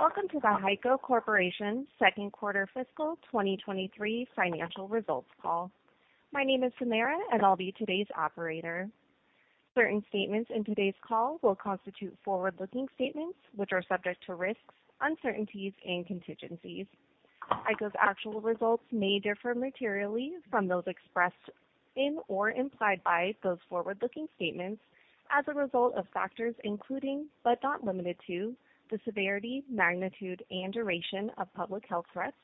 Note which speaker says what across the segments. Speaker 1: Welcome to the HEICO Corporation Q2 fiscal 2023 financial results call. My name is Samara. I'll be today's operator. Certain statements in today's call will constitute forward-looking statements, which are subject to risks, uncertainties, and contingencies. HEICO's actual results may differ materially from those expressed in or implied by those forward-looking statements as a result of factors including, but not limited to, the severity, magnitude, and duration of public health threats,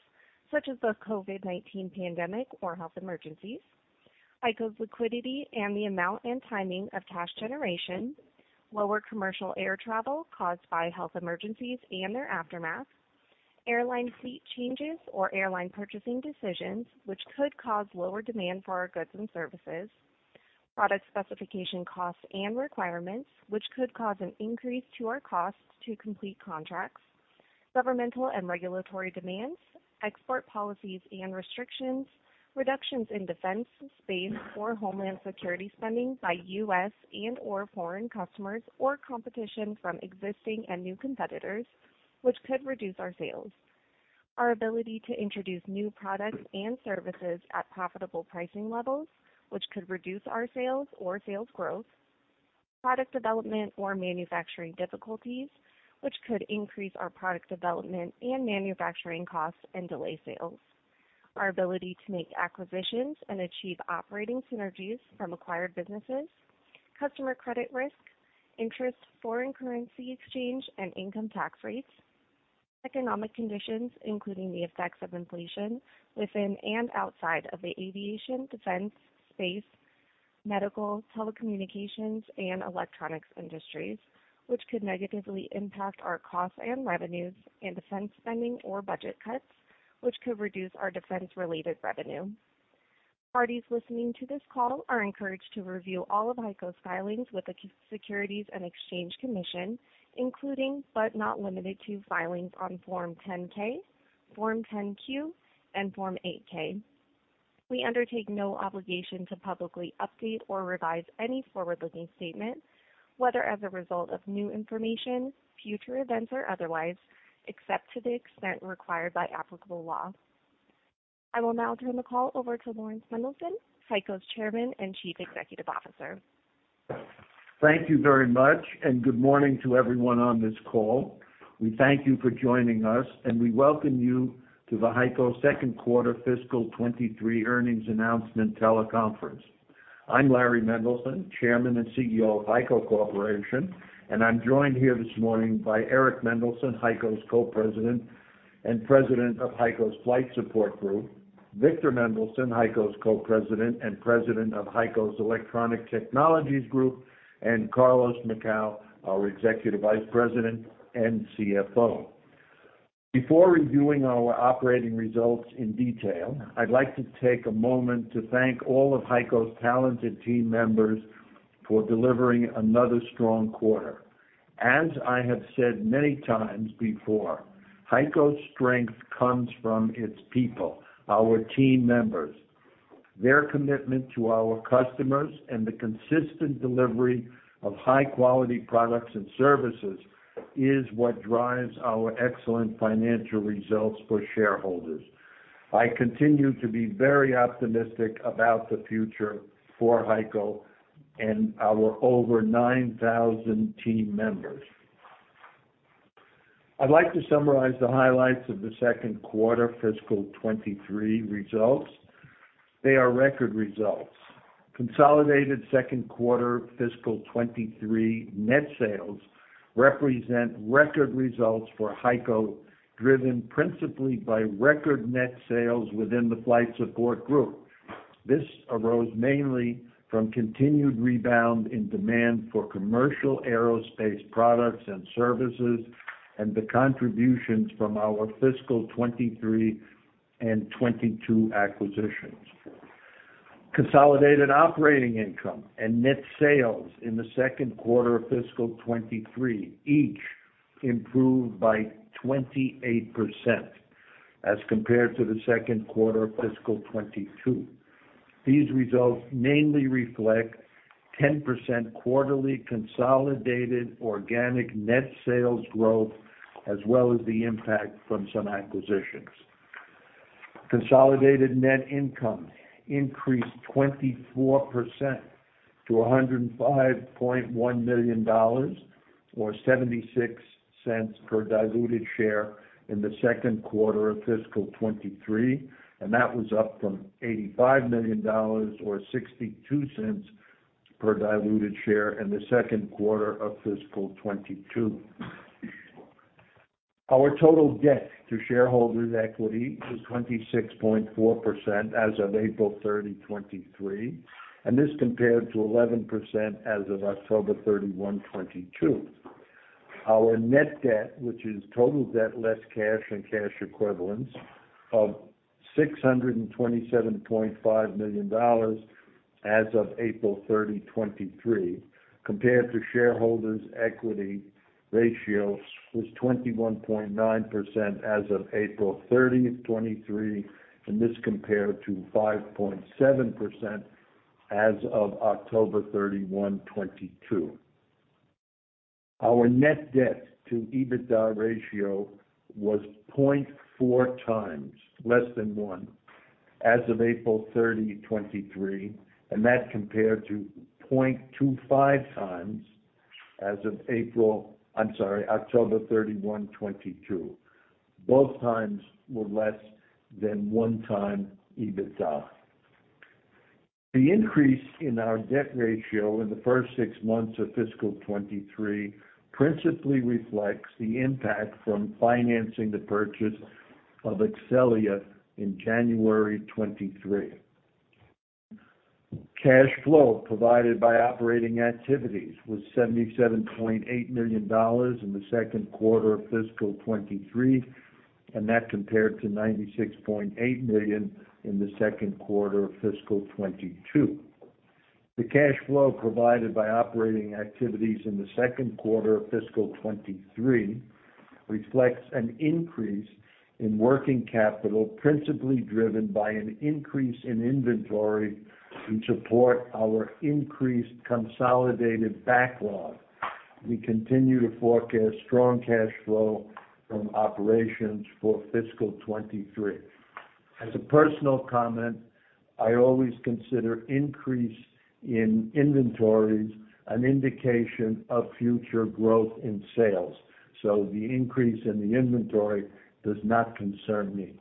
Speaker 1: such as the COVID-19 pandemic or health emergencies. HEICO's liquidity and the amount and timing of cash generation, lower commercial air travel caused by health emergencies and their aftermath, airline fleet changes or airline purchasing decisions, which could cause lower demand for our goods and services, product specification costs and requirements, which could cause an increase to our costs to complete contracts, governmental and regulatory demands, export policies and restrictions, reductions in defense, space, or homeland security spending by U.S. and/or foreign customers, or competition from existing and new competitors, which could reduce our sales. Our ability to introduce new products and services at profitable pricing levels, which could reduce our sales or sales growth. Product development or manufacturing difficulties, which could increase our product development and manufacturing costs and delay sales. Our ability to make acquisitions and achieve operating synergies from acquired businesses, customer credit risk, interest, foreign currency exchange, and income tax rates. Economic conditions, including the effects of inflation within and outside of the aviation, defense, space, medical, telecommunications, and electronics industries, which could negatively impact our costs and revenues, and defense spending or budget cuts, which could reduce our defense-related revenue. Parties listening to this call are encouraged to review all of HEICO's filings with the Securities and Exchange Commission, including, but not limited to, filings on Form 10-K, Form 10-Q, and Form 8-K. We undertake no obligation to publicly update or revise any forward-looking statement, whether as a result of new information, future events, or otherwise, except to the extent required by applicable law. I will now turn the call over to Laurans Mendelson, HEICO's Chairman and Chief Executive Officer.
Speaker 2: Thank you very much. Good morning to everyone on this call. We thank you for joining us, and we welcome you to the HEICO Q2 fiscal 2023 earnings announcement teleconference. I'm Larry Mendelson, Chairman and CEO of HEICO Corporation, and I'm joined here this morning by Eric Mendelson, HEICO's Co-President and President of HEICO's Flight Support Group, Victor Mendelson, HEICO's Co-President and President of HEICO's Electronic Technologies Group, and Carlos Macau, our Executive Vice President and CFO. Before reviewing our operating results in detail, I'd like to take a moment to thank all of HEICO's talented team members for delivering another strong quarter. As I have said many times before, HEICO's strength comes from its people, our team members. Their commitment to our customers and the consistent delivery of high-quality products and services is what drives our excellent financial results for shareholders. I continue to be very optimistic about the future for HEICO and our over 9,000 team members. I'd like to summarize the highlights of the Q2 fiscal 2023 results. They are record results. Consolidated Q2 fiscal 2023 net sales represent record results for HEICO, driven principally by record net sales within the Flight Support Group. This arose mainly from continued rebound in demand for commercial aerospace products and services and the contributions from our fiscal 2023 and 22 acquisitions. Consolidated operating income and net sales in the Q2 of fiscal 2023 each improved by 28% as compared to the Q2 of fiscal 2022. These results mainly reflect 10% quarterly consolidated organic net sales growth as well as the impact from some acquisitions. Consolidated net income increased 24% to $105.1 million or $0.76 per diluted share in the Q2 of fiscal 2023, and that was up from $85 million or $0.62 per diluted share in the Q2 of fiscal 2022. Our total debt to shareholders' equity was 26.4% as of April 30, 2023, and this compared to 11% as of October 31, 2022. Our net debt, which is total debt less cash and cash equivalents of $627.5 million as of April 30, 2023, compared to shareholders' equity ratios was 21.9% as of April 30, 2023, and this compared to 5.7% as of October 31, 2022. Our net debt to EBITDA ratio was 0.4 times less than one as of April 30, 2023. That compared to 0.25 times as of April, I'm sorry, October 31, 2022. Both times were less than one time EBITDA. The increase in our debt ratio in the first six months of fiscal 2023 principally reflects the impact from financing the purchase of Exxelia in January 2023. Cash flow provided by operating activities was $77.8 million in the Q2 of fiscal 2023. That compared to $96.8 million in the Q2 of fiscal 2022. The cash flow provided by operating activities in the Q2 of fiscal 2023 reflects an increase in working capital, principally driven by an increase in inventory to support our increased consolidated backlog. We continue to forecast strong cash flow from operations for fiscal 2023. As a personal comment, I always consider increase in inventories an indication of future growth in sales, so the increase in the inventory does not concern me.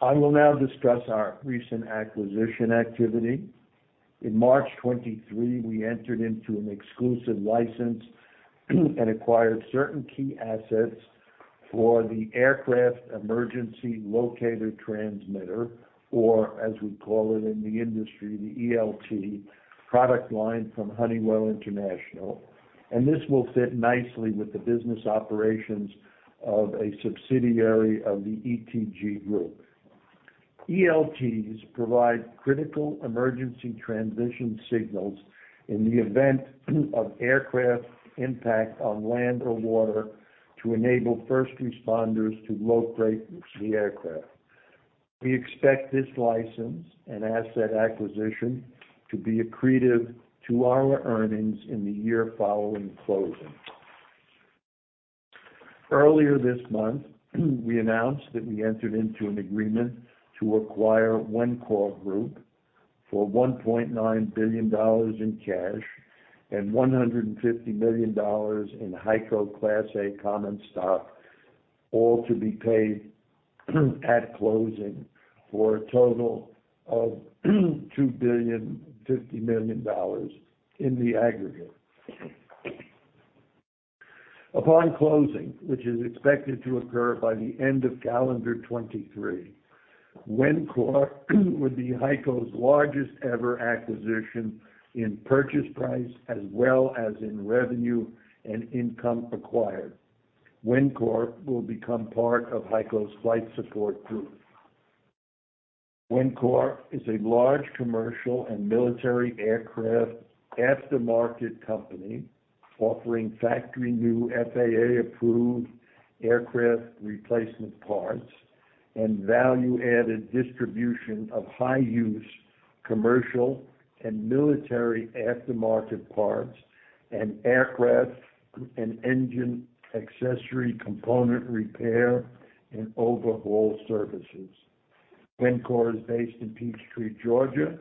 Speaker 2: I will now discuss our recent acquisition activity. In March 2023, we entered into an exclusive license and acquired certain key assets for the Aircraft Emergency Locator Transmitter, or as we call it in the industry, the ELT product line from Honeywell International Inc, and this will fit nicely with the business operations of a subsidiary of the ETG group. ELTs provide critical emergency transition signals in the event of aircraft impact on land or water to enable first responders to locate the aircraft. We expect this license and asset acquisition to be accretive to our earnings in the year following closing. Earlier this month, we announced that we entered into an agreement to acquire Wencor Group for $1.9 billion in cash and $150 million in HEICO Class A Common Stock, all to be paid at closing for a total of $2.05 billion in the aggregate. Upon closing, which is expected to occur by the end of calendar 2023, Wencor would be HEICO's largest-ever acquisition in purchase price as well as in revenue and income acquired. Wencor will become part of HEICO's Flight Support Group. Wencor is a large commercial and military aircraft aftermarket company offering factory new FAA-approved aircraft replacement parts and value-added distribution of high-use commercial and military aftermarket parts and aircraft, and engine accessory component repair and overhaul services. Wencor is based in Peachtree City, Georgia,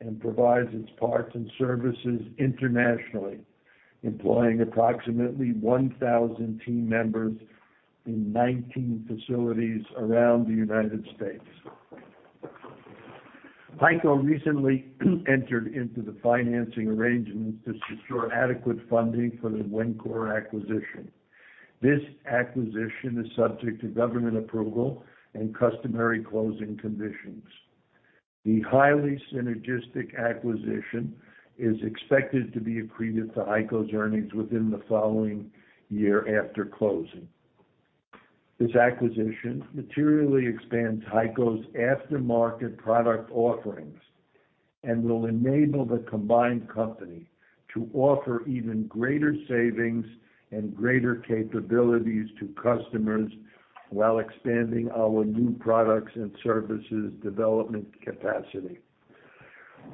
Speaker 2: and provides its parts and services internationally, employing approximately 1,000 team members in 19 facilities around the United States. HEICO recently entered into the financing arrangements to secure adequate funding for the Wencor acquisition. This acquisition is subject to government approval and customary closing conditions. The highly synergistic acquisition is expected to be accretive to HEICO's earnings within the following year after closing. This acquisition materially expands HEICO's aftermarket product offerings and will enable the combined company to offer even greater savings and greater capabilities to customers while expanding our new products and services development capacity.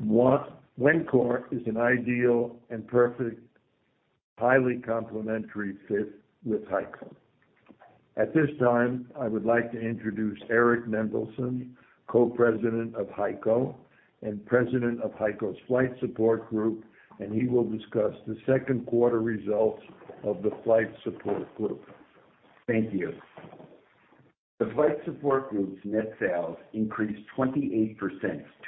Speaker 2: Wencor is an ideal and perfect, highly complementary fit with HEICO. At this time, I would like to introduce Eric Mendelson, Co-President of HEICO and President of HEICO's Flight Support Group, and he will discuss the Q2 results of the Flight Support Group.
Speaker 3: Thank you. The Flight Support Group's net sales increased 28%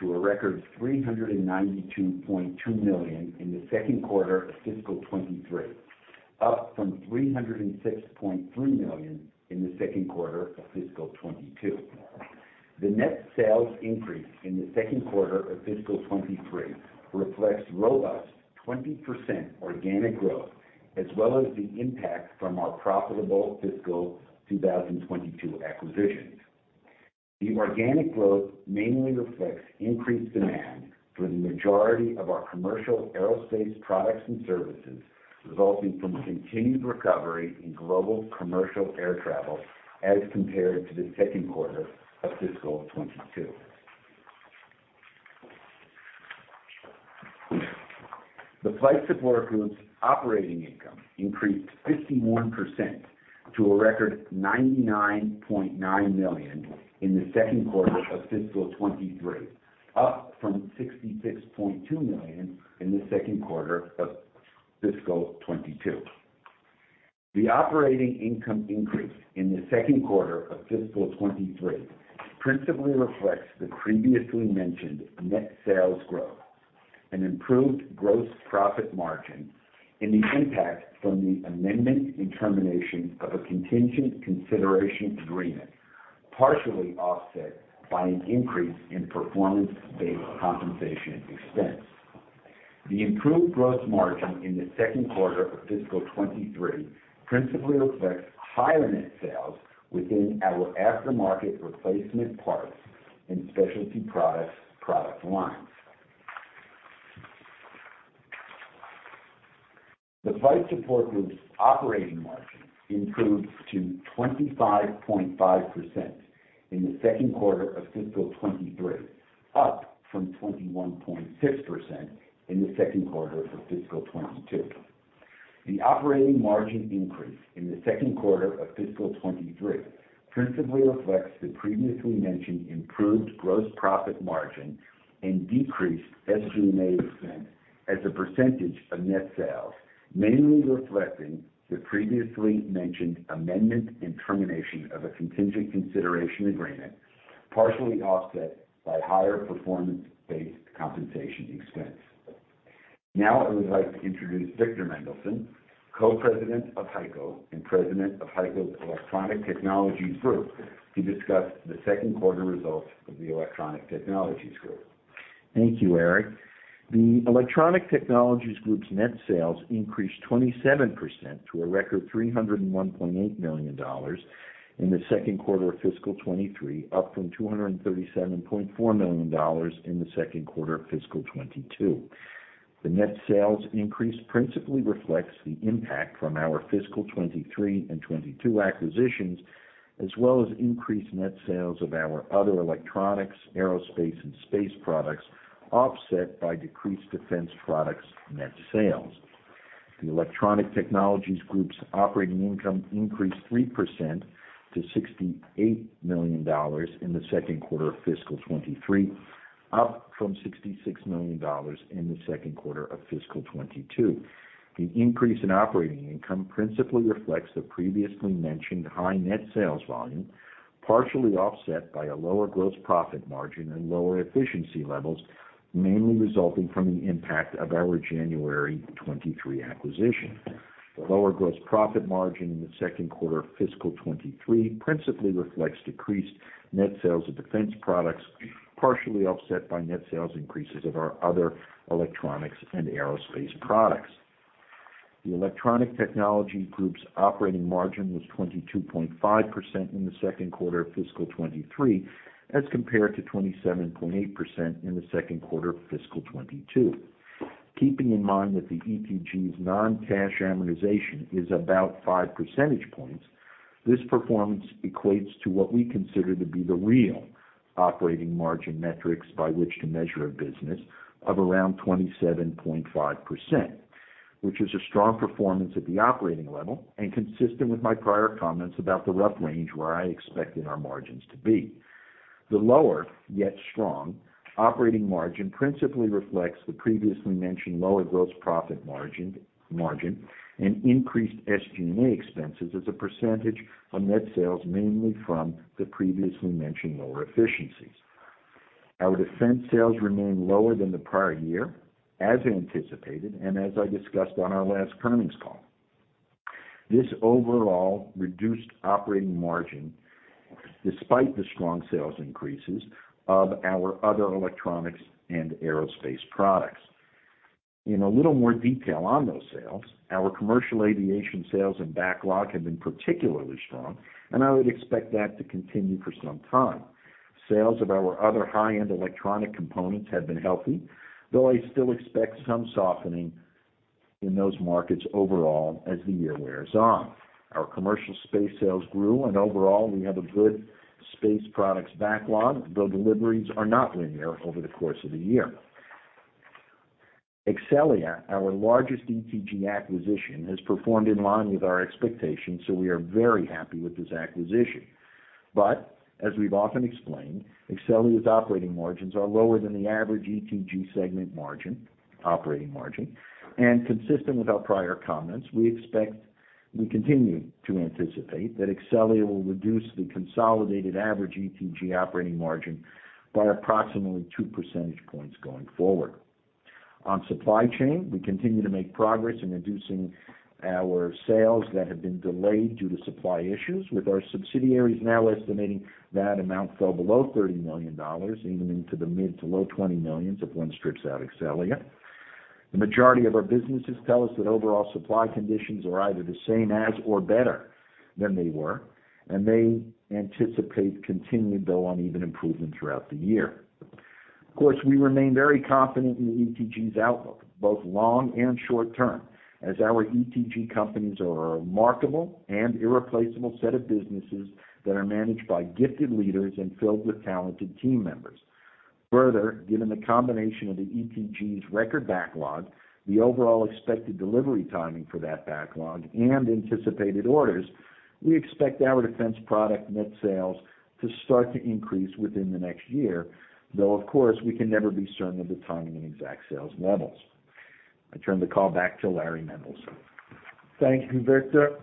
Speaker 3: to a record $392.2 million in the Q2 of fiscal 2023, up from $306.3 million in the Q2 of fiscal 2022. The net sales increase in the Q2 of fiscal 2023 reflects robust 20% organic growth as well as the impact from our profitable fiscal 2022 acquisitions. The organic growth mainly reflects increased demand for the majority of our commercial aerospace products and services, resulting from continued recovery in global commercial air travel as compared to the Q2 of fiscal 2022. The Flight Support Group's operating income increased 51% to a record $99.9 million in the Q2 of fiscal 2023, up from $66.2 million in the Q2 of fiscal 2022. The operating income increase in the Q2 of fiscal 2023 principally reflects the previously mentioned net sales growth and improved gross profit margin and the impact from the amendment and termination of a contingent consideration agreement, partially offset by an increase in performance-based compensation expense. The improved gross margin in the Q2 of fiscal 2023 principally reflects higher net sales within our aftermarket replacement parts and specialty products product lines. The Flight Support Group's operating margin improved to 25.5% in the Q2 of fiscal 2023, up from 21.6% in the Q2 of fiscal 2022. The operating margin increase in the Q2 of fiscal 2023 principally reflects the previously mentioned improved gross profit margin and decreased SG&A expense as a percentage of net sales, mainly reflecting the previously mentioned amendment and termination of a contingent consideration agreement, partially offset by higher performance-based compensation expense. I would like to introduce Victor Mendelson, Co-President of HEICO and President of HEICO's Electronic Technologies Group, to discuss the Q2 results of the Electronic Technologies Group.
Speaker 4: Thank you, Eric. The Electronic Technologies Group's net sales increased 27% to a record $301.8 million in the Q2 of fiscal 2023, up from $237.4 million in the Q2 of fiscal 2022. The net sales increase principally reflects the impact from our fiscal 2023 and 22 acquisitions, as well as increased net sales of our other electronics, aerospace, and space products, offset by decreased defense products net sales. The Electronic Technologies Group's operating income increased 3% to $68 million in the Q2 of fiscal 2023, up from $66 million in the Q2 of fiscal 2022. The increase in operating income principally reflects the previously mentioned high net sales volume, partially offset by a lower gross profit margin and lower efficiency levels, mainly resulting from the impact of our January 23 acquisition. The lower gross profit margin in the Q2 of fiscal 2023 principally reflects decreased net sales of defense products, partially offset by net sales increases of our other electronics and aerospace products. The Electronic Technologies Group's operating margin was 22.5% in the Q2 of fiscal 2023 as compared to 27.8% in the Q2 of fiscal 2022. Keeping in mind that the ETG's non-cash amortization is about 5 percentage points, this performance equates to what we consider to be the real operating margin metrics by which to measure a business of around 27.5%, which is a strong performance at the operating level and consistent with my prior comments about the rough range where I expected our margins to be. The lower, yet strong, operating margin principally reflects the previously mentioned lower gross profit margin, and increased SG&A expenses as a percentage of net sales mainly from the previously mentioned lower efficiencies. Our defense sales remain lower than the prior year, as anticipated, and as I discussed on our last earnings call. This overall reduced operating margin despite the strong sales increases of our other electronics and aerospace products. In a little more detail on those sales, our commercial aviation sales and backlog have been particularly strong, I would expect that to continue for some time. Sales of our other high-end electronic components have been healthy, though I still expect some softening in those markets overall as the year wears on. Our commercial space sales grew, Overall, we have a good space products backlog, though deliveries are not linear over the course of the year. Exxelia, our largest ETG acquisition, has performed in line with our expectations, We are very happy with this acquisition. As we've often explained, Exxelia's operating margins are lower than the average ETG segment margin, operating margin. Consistent with our prior comments, we continue to anticipate that Exxelia will reduce the consolidated average ETG operating margin by approximately 2 percentage points going forward. On supply chain, we continue to make progress in reducing our sales that have been delayed due to supply issues with our subsidiaries now estimating that amount fell below $30 million, even into the mid to low $20 million if one strips out Exxelia. The majority of our businesses tell us that overall supply conditions are either the same as or better than they were, and they anticipate continued, though uneven improvement throughout the year. Of course, we remain very confident in ETG's outlook, both long and short-term, as our ETG companies are a remarkable and irreplaceable set of businesses that are managed by gifted leaders and filled with talented team members. Given the combination of the ETG's record backlog, the overall expected delivery timing for that backlog, and anticipated orders, we expect our defense product net sales to start to increase within the next year. Though, of course, we can never be certain of the timing and exact sales levels. I turn the call back to Larry Mendelson.
Speaker 2: Thank you, Victor.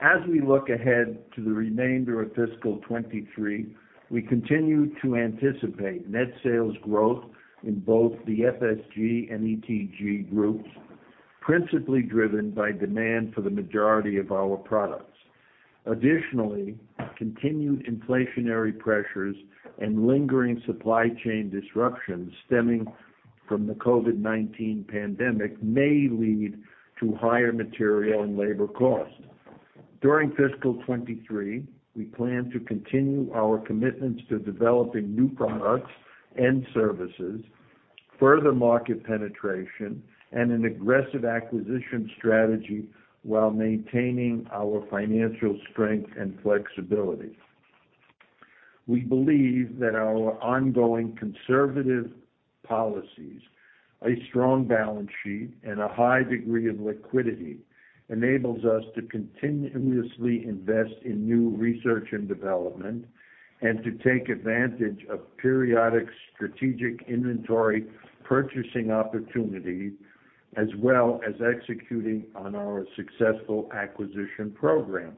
Speaker 2: As we look ahead to the remainder of fiscal 2023, we continue to anticipate net sales growth in both the FSG and ETG groups, principally driven by demand for the majority of our products. Additionally, continued inflationary pressures and lingering supply chain disruptions stemming from the COVID-19 pandemic may lead to higher material and labor costs. During fiscal 2023, we plan to continue our commitments to developing new products and services, further market penetration, and an aggressive acquisition strategy while maintaining our financial strength and flexibility. We believe that our ongoing conservative policies, a strong balance sheet, and a high degree of liquidity enables us to continuously invest in new research and development and to take advantage of periodic strategic inventory purchasing opportunities, as well as executing on our successful acquisition program.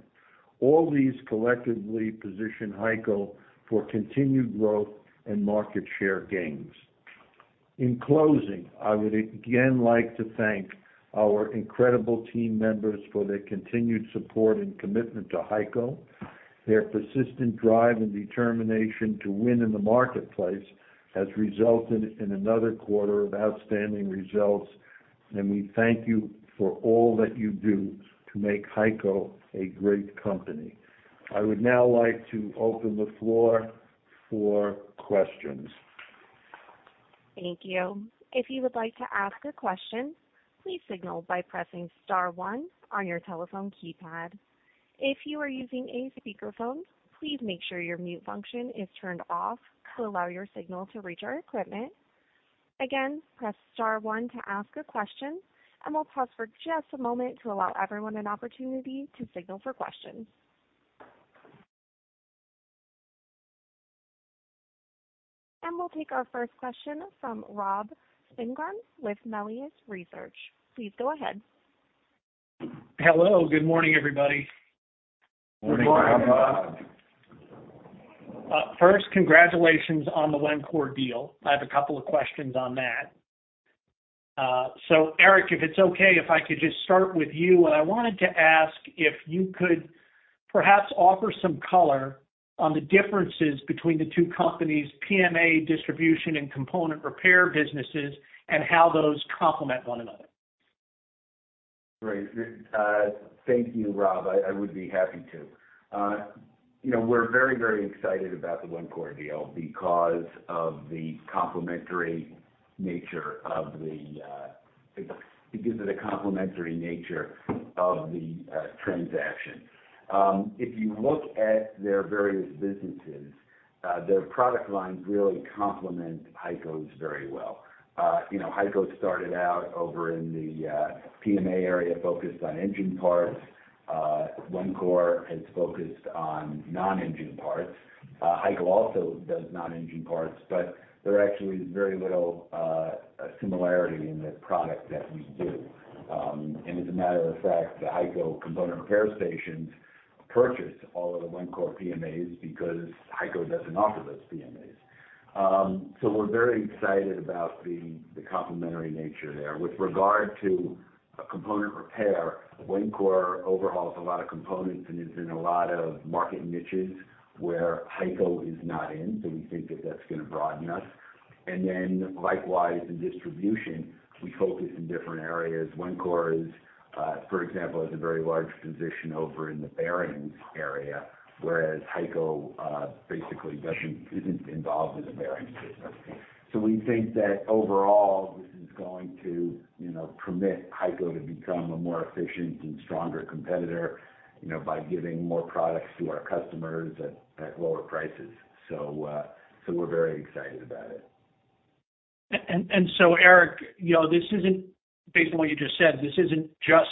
Speaker 2: All these collectively position HEICO for continued growth and market share gains. In closing, I would again like to thank our incredible team members for their continued support and commitment to HEICO. Their persistent drive and determination to win in the marketplace has resulted in another quarter of outstanding results, and we thank you for all that you do to make HEICO a great company. I would now like to open the floor for questions.
Speaker 1: Thank you. If you would like to ask a question, please signal by pressing star one on your telephone keypad. If you are using a speakerphone, please make sure your mute function is turned off to allow your signal to reach our equipment. Again, press star one to ask a question, and we'll pause for just a moment to allow everyone an opportunity to signal for questions. We'll take our first question from Robert Spingarn with Melius Research. Please go ahead.
Speaker 5: Hello. Good morning, everybody.
Speaker 2: Good morning, Rob.
Speaker 3: Good morning.
Speaker 5: First, congratulations on the Wencor deal. I have a couple of questions on that. Eric, if it's okay, if I could just start with you. I wanted to ask if you could perhaps offer some color on the differences between the two companies' PMA distribution and component repair businesses and how those complement one another.
Speaker 3: Great. Thank you, Rob. I would be happy to. You know, we're very, very excited about the Wencor deal because of the complementary nature of the transaction. If you look at their various businesses, their product lines really complement HEICO's very well. You know, HEICO started out over in the PMA area focused on engine parts. Wencor has focused on non-engine parts. HEICO also does non-engine parts, but there are actually very little similarity in the product that we do. As a matter of fact, the HEICO component repair stations purchase all of the Wencor PMAs because HEICO doesn't offer those PMAs. We're very excited about the complementary nature there. With regard to component repair, Wencor overhauls a lot of components and is in a lot of market niches where HEICO is not in. We think that that's gonna broaden us. Likewise, in distribution, we focus in different areas. Wencor is, for example, has a very large position over in the bearings area, whereas HEICO basically isn't involved in the bearings business. We think that overall this is going to, you know, permit HEICO to become a more efficient and stronger competitor, you know, by giving more products to our customers at lower prices. So we're very excited about it.
Speaker 5: Eric, you know, this isn't based on what you just said, this isn't just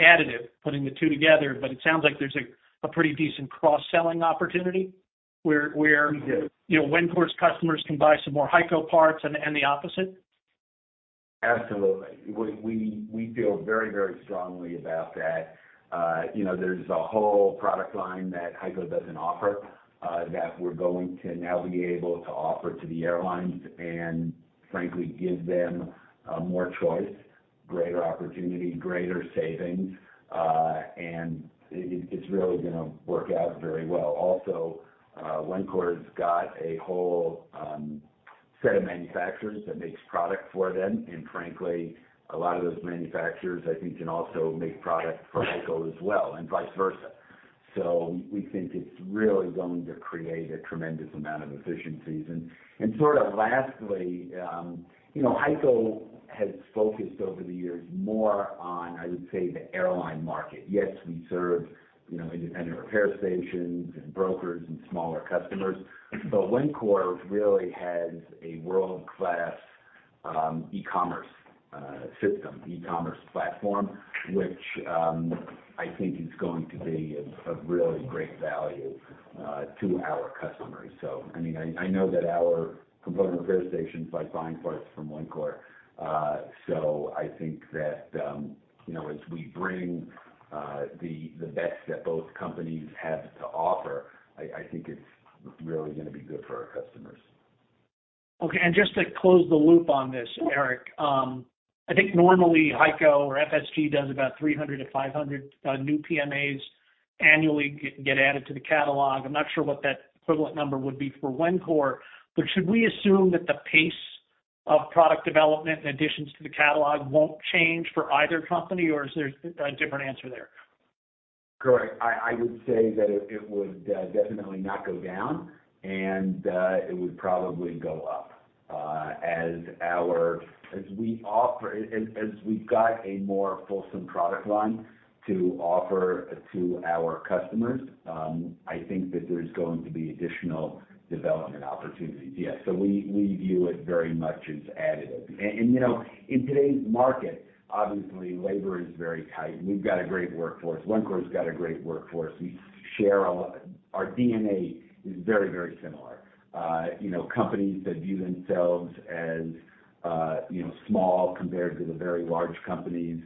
Speaker 5: additive, putting the two together, but it sounds like there's a pretty decent cross-selling opportunity where.
Speaker 3: We do.
Speaker 5: You know, Wencor's customers can buy some more HEICO parts and the opposite.
Speaker 3: Absolutely. We feel very, very strongly about that. you know, there's a whole product line that HEICO doesn't offer, that we're going to now be able to offer to the airlines and frankly give them more choice. Greater opportunity, greater savings, and it's really gonna work out very well. Also, Wencor's got a whole set of manufacturers that makes product for them, and frankly, a lot of those manufacturers, I think, can also make product for HEICO as well and vice versa. We think it's really going to create a tremendous amount of efficiencies. Sort of lastly, you know, HEICO has focused over the years more on, I would say, the airline market. Yes, we serve, you know, independent repair stations and brokers and smaller customers. Wencor really has a world-class, e-commerce, system, e-commerce platform, which, I think is going to be of really great value, to our customers. I mean, I know that our component repair stations like buying parts from Wencor. I think that, you know, as we bring, the best that both companies have to offer, I think it's really gonna be good for our customers.
Speaker 5: Okay. Just to close the loop on this, Eric, I think normally HEICO or FSG does about 300-500 new PMAs annually get added to the catalog. I'm not sure what that equivalent number would be for Wencor. Should we assume that the pace of product development and additions to the catalog won't change for either company, or is there a different answer there?
Speaker 3: Correct. I would say that it would definitely not go down, and it would probably go up. As we've got a more fulsome product line to offer to our customers, I think that there's going to be additional development opportunities, yes. We view it very much as additive. You know, in today's market, obviously labor is very tight. We've got a great workforce. Wencor's got a great workforce. We share a lot. Our DNA is very similar. You know, companies that view themselves as, you know, small compared to the very large companies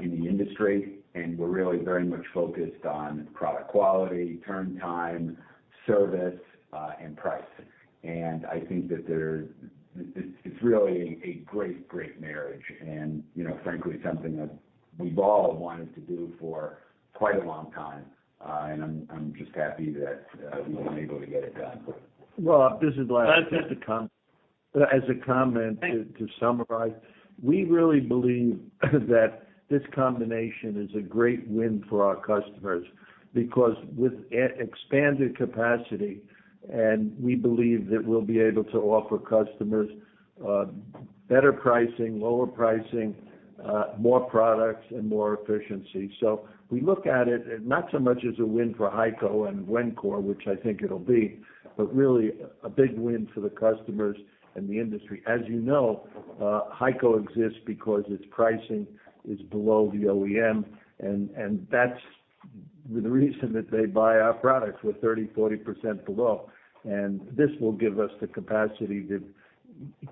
Speaker 3: in the industry, and we're really very much focused on product quality, turn time, service, and price. I think that there's really a great marriage and, you know, frankly, something that we've all wanted to do for quite a long time. I'm just happy that we were able to get it done.
Speaker 2: Rob, this is Larry.
Speaker 5: Hi.
Speaker 2: Just as a comment.
Speaker 5: Thanks...
Speaker 2: to summarize. We really believe that this combination is a great win for our customers because with expanded capacity, and we believe that we'll be able to offer customers, better pricing, lower pricing, more products and more efficiency. We look at it not so much as a win for HEICO and Wencor, which I think it'll be, but really a big win for the customers and the industry. You know, HEICO exists because its pricing is below the OEM and that's the reason that they buy our products. We're 30%-40% below, and this will give us the capacity to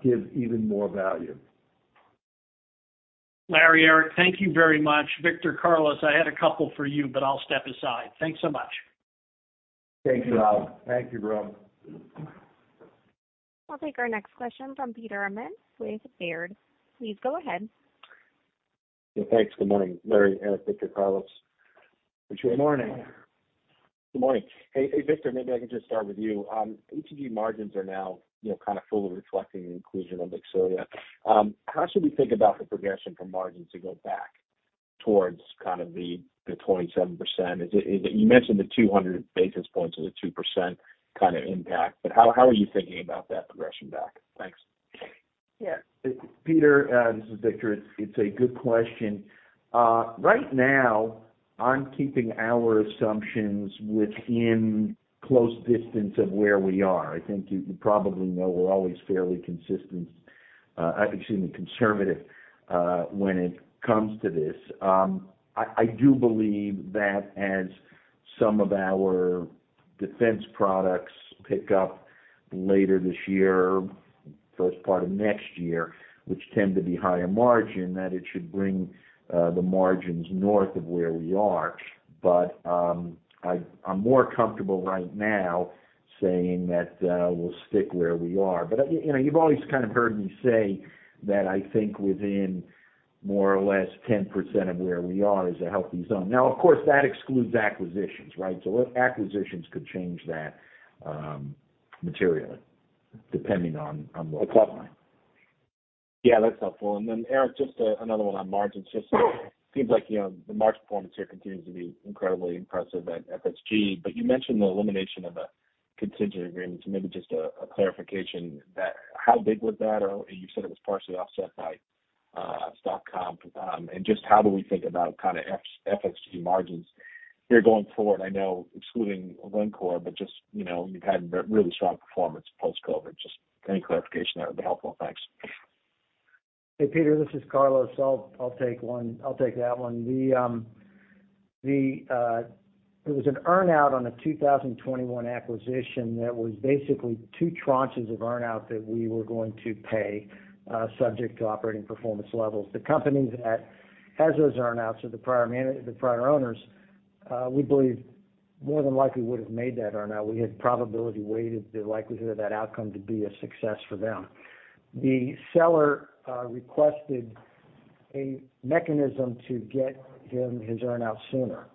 Speaker 2: give even more value.
Speaker 5: Larry, Eric, thank you very much. Victor, Carlos, I had a couple for you, but I'll step aside. Thanks so much.
Speaker 3: Thank you, Rob.
Speaker 2: Thank you, Rob.
Speaker 1: I'll take our next question from Peter Arment with Baird. Please go ahead.
Speaker 6: Yeah, thanks. Good morning, Larry, Eric, Victor, Carlos.
Speaker 3: Good morning.
Speaker 6: Good morning. Hey, Victor, maybe I can just start with you. ETG margins are now, you know, kind of fully reflecting the inclusion of Exxelia. How should we think about the progression for margins to go back towards kind of the 27%? You mentioned the 200 basis points or the 2% kind of impact, but how are you thinking about that progression back? Thanks.
Speaker 4: Yeah. Peter, this is Victor. It's a good question. Right now, I'm keeping our assumptions within close distance of where we are. I think you probably know we're always fairly consistent, excuse me, conservative, when it comes to this. I do believe that as some of our defense products pick up later this year, first part of next year, which tend to be higher margin, that it should bring the margins north of where we are. I'm more comfortable right now saying that we'll stick where we are. You know, you've always kind of heard me say that I think within more or less 10% of where we are is a healthy zone. Now, of course, that excludes acquisitions, right? Acquisitions could change that materially depending on the pipeline.
Speaker 6: Yeah, that's helpful. Then Eric, just another one on margins. Just seems like, you know, the margin performance here continues to be incredibly impressive at FSG. You mentioned the elimination of a contingent agreement, so maybe just a clarification that how big was that? You said it was partially offset by stock comp. Just how do we think about kinda FSG margins here going forward? I know excluding Wencor, but just, you know, you've had really strong performance post-COVID. Just any clarification there would be helpful. Thanks.
Speaker 7: Hey, Peter, this is Carlos. I'll take one. I'll take that one. The it was an earn-out on the 2021 acquisition that was basically two tranches of earn-out that we were going to pay, subject to operating performance levels. The company that has those earn-outs are the prior owners. We believe more than likely would have made that earn out. We had probability weighted the likelihood of that outcome to be a success for them. The seller requested a mechanism to get him his earn out sooner.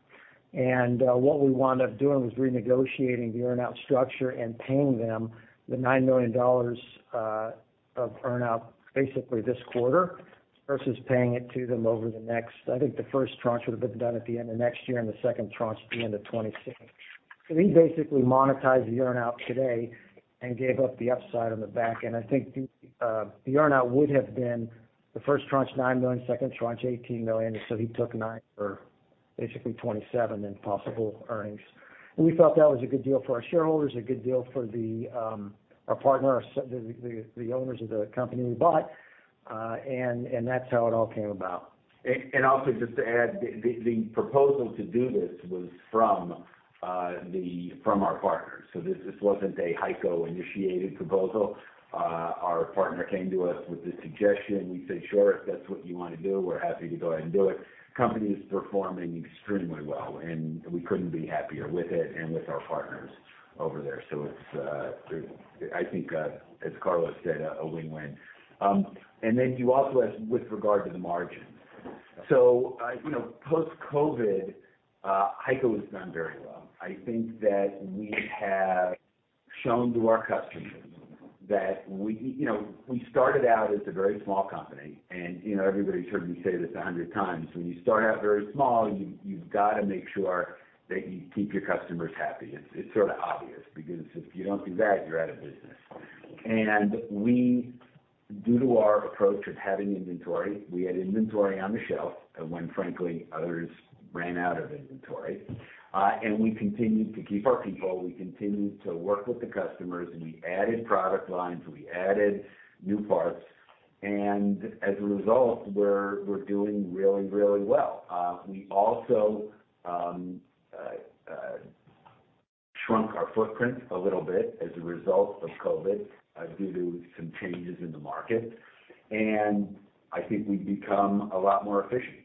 Speaker 7: What we wound up doing was renegotiating the earn out structure and paying them the $9 million of earn out basically this quarter versus paying it to them over the next... I think the first tranche would have been done at the end of next year and the second tranche at the end of 2026. We basically monetized the earn out today and gave up the upside on the back. I think, the earn out would have been the first tranche, $9 million, second tranche, $18 million. He took $9 million for basically $27 million in possible earnings. We felt that was a good deal for our shareholders, a good deal for the, our partner, the owners of the company we bought, and that's how it all came about.
Speaker 3: Also just to add, the proposal to do this was from our partners. This wasn't a HEICO initiated proposal. Our partner came to us with the suggestion. We said, sure, if that's what you want to do, we're happy to go ahead and do it. Company is performing extremely well, and we couldn't be happier with it and with our partners over there. It's I think as Carlos said, a win-win. You also asked with regard to the margins. You know, post-COVID, HEICO has done very well. I think that we have shown to our customers that we. You know, we started out as a very small company, and, you know, everybody's heard me say this 100 times. When you start out very small, you've got to make sure that you keep your customers happy. It's sort of obvious, because if you don't do that, you're out of business. Due to our approach of having inventory, we had inventory on the shelf and when, frankly, others ran out of inventory, and we continued to keep our people, we continued to work with the customers, and we added product lines, we added new parts, and as a result, we're doing really, really well. We also shrunk our footprint a little bit as a result of COVID, due to some changes in the market. I think we've become a lot more efficient.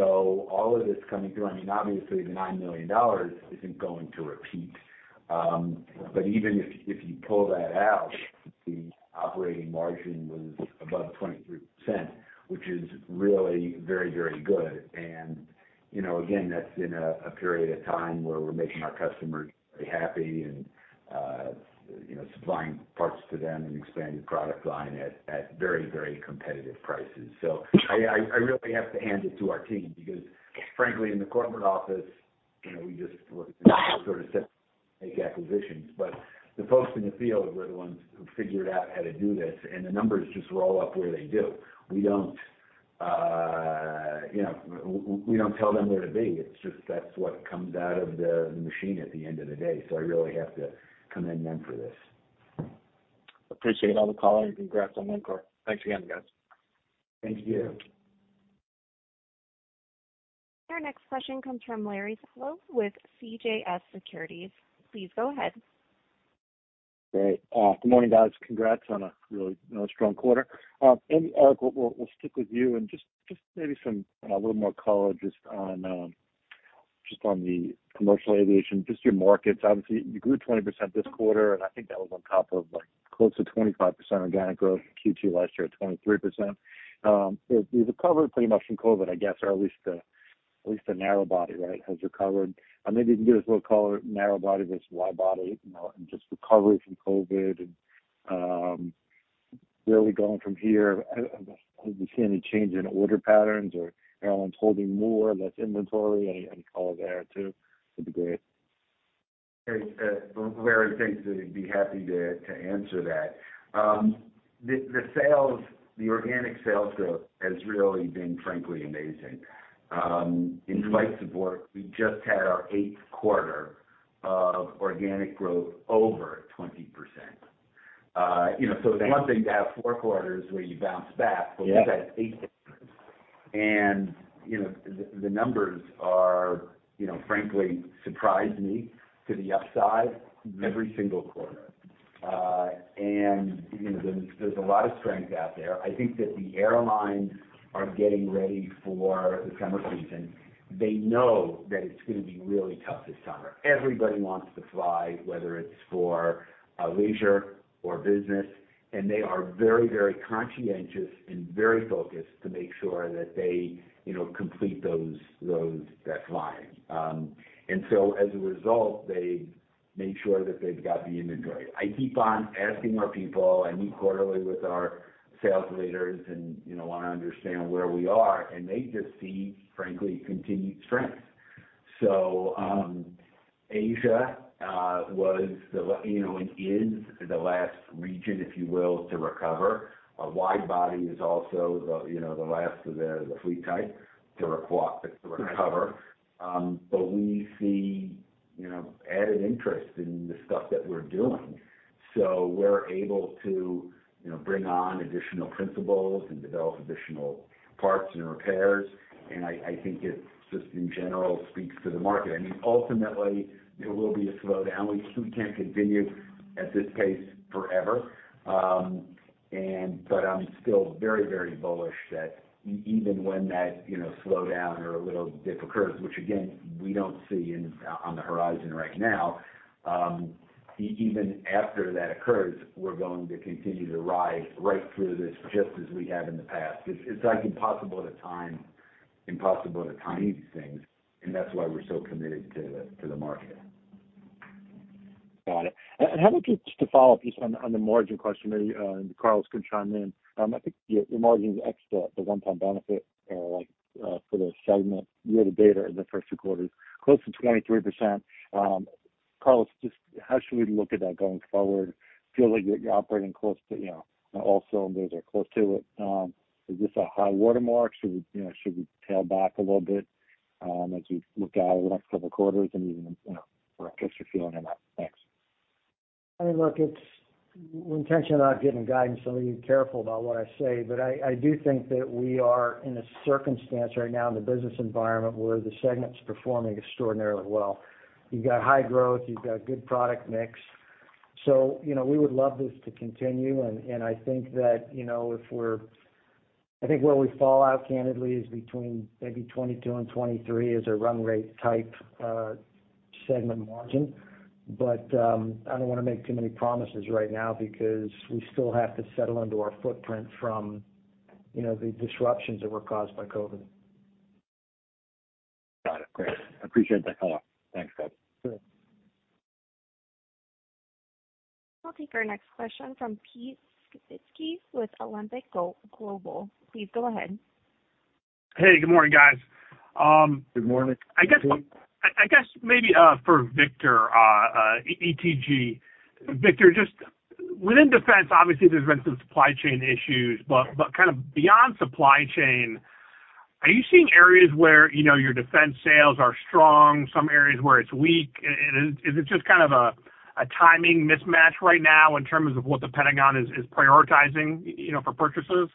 Speaker 3: All of this coming through, I mean, obviously, the $9 million isn't going to repeat. Even if you pull that out, the operating margin was above 23%, which is really very good. You know, again, that's in a period of time where we're making our customers very happy and, you know, supplying parts to them and expanding product line at very competitive prices. I really have to hand it to our team because frankly, in the corporate office, you know, we just look to sort of make acquisitions, but the folks in the field were the ones who figured out how to do this, and the numbers just roll up where they do. We don't, you know, we don't tell them where to be. It's just that's what comes out of the machine at the end of the day. I really have to commend them for this.
Speaker 6: Appreciate all the color and congrats on that, Carl. Thanks again, guys.
Speaker 3: Thank you.
Speaker 1: Our next question comes from Larry Solow with CJS Securities. Please go ahead.
Speaker 8: Great. Good morning, guys. Congrats on a really, you know, strong quarter. Maybe we'll stick with you and just maybe some, a little more color just on the commercial aviation, just your markets. Obviously, you grew 20% this quarter, and I think that was on top of, like, close to 25% organic growth in Q2 last year at 23%. You've recovered pretty much from COVID, I guess, or at least the narrow body, right, has recovered. Maybe you can give us a little color, narrow body versus wide body, you know, and just recovery from COVID and where are we going from here? Have you seen any change in order patterns or airlines holding more or less inventory? Any color there too would be great.
Speaker 3: Great. Larry, thanks. I'd be happy to answer that. The sales, the organic sales growth has really been, frankly, amazing. In spite of work, we just had our eighth quarter of organic growth over 20%. You know, so it's one thing to have four quarters where you bounce back, but we've had eight. You know, the numbers are, you know, frankly surprised me to the upside every single quarter. You know, there's a lot of strength out there. I think that the airlines are getting ready for the summer season. They know that it's gonna be really tough this summer. Everybody wants to fly, whether it's for leisure or business, and they are very, very conscientious and very focused to make sure that they, you know, complete those that flying. As a result, they make sure that they've got the inventory. I keep on asking our people. I meet quarterly with our sales leaders and, you know, wanna understand where we are, and they just see, frankly, continued strength. Asia, you know, and is the last region, if you will, to recover. A wide body is also the, you know, the last of the fleet type to recover. We see, you know, added interest in the stuff that we're doing. We're able to, you know, bring on additional principals and develop additional parts and repairs. I think it just in general speaks to the market. I mean, ultimately, there will be a slowdown. We can't continue at this pace forever. I'm still very, very bullish that even when that, you know, slow down or a little dip occurs, which again, we don't see on the horizon right now, even after that occurs, we're going to continue to rise right through this, just as we have in the past. It's, like, impossible to time these things. That's why we're so committed to the market.
Speaker 8: Got it. How about just to follow up just on the margin question, maybe, and Carlos can chime in. I think your margin's extra the one-time benefit, like, for the segment year-to-date or in the Q1, close to 23%. Carlos, just how should we look at that going forward? Feel like you're operating close to, you know, also, and those are close to it. Is this a high watermark? Should we, you know, should we tail back a little bit, as we look out over the next couple quarters and even, you know, for a guess you're feeling in that? Thanks.
Speaker 7: I mean, look, it's, we're intentionally not giving guidance, I'll be careful about what I say. I do think that we are in a circumstance right now in the business environment where the segment's performing extraordinarily well. You've got high growth, you've got good product mix. You know, we would love this to continue. I think that, you know, I think where we fall out candidly is between maybe 22% and 23% as a run rate type segment margin. I don't wanna make too many promises right now because we still have to settle into our footprint from, you know, the disruptions that were caused by COVID.
Speaker 8: Got it. Great. I appreciate the color. Thanks, guys.
Speaker 7: Sure.
Speaker 1: I'll take our next question from Pete Skibitski with Alembic Global. Please go ahead.
Speaker 9: Hey, good morning, guys.
Speaker 3: Good morning.
Speaker 9: I guess maybe for Victor ETG. Victor, just within defense, obviously, there's been some supply chain issues, but kind of beyond supply chain, are you seeing areas where, you know, your defense sales are strong, some areas where it's weak? Is it just kind of a timing mismatch right now in terms of what the Pentagon is prioritizing, you know, for purchases?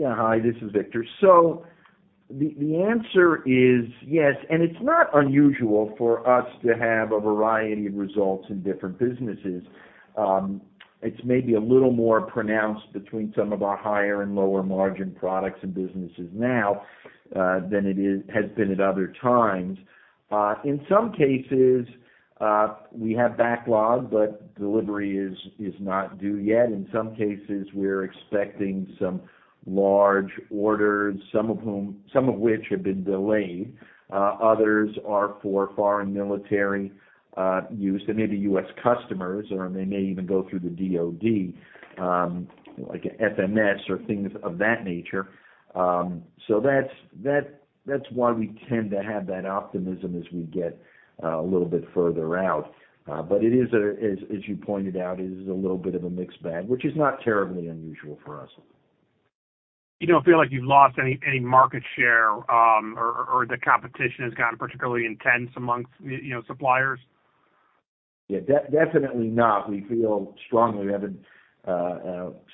Speaker 4: Hi, this is Victor. The answer is yes, and it's not unusual for us to have a variety of results in different businesses. It's maybe a little more pronounced between some of our higher and lower margin products and businesses now than it has been at other times. In some cases, we have backlog, but delivery is not due yet. In some cases, we're expecting some large orders, some of which have been delayed. Others are for foreign military use. They may be U.S. customers, or they may even go through the DoD, like an FMS or things of that nature. That's why we tend to have that optimism as we get a little bit further out. It is a, as you pointed out, it is a little bit of a mixed bag, which is not terribly unusual for us.
Speaker 9: You don't feel like you've lost any market share, or the competition has gotten particularly intense amongst, you know, suppliers?
Speaker 4: Definitely not. We feel strongly we haven't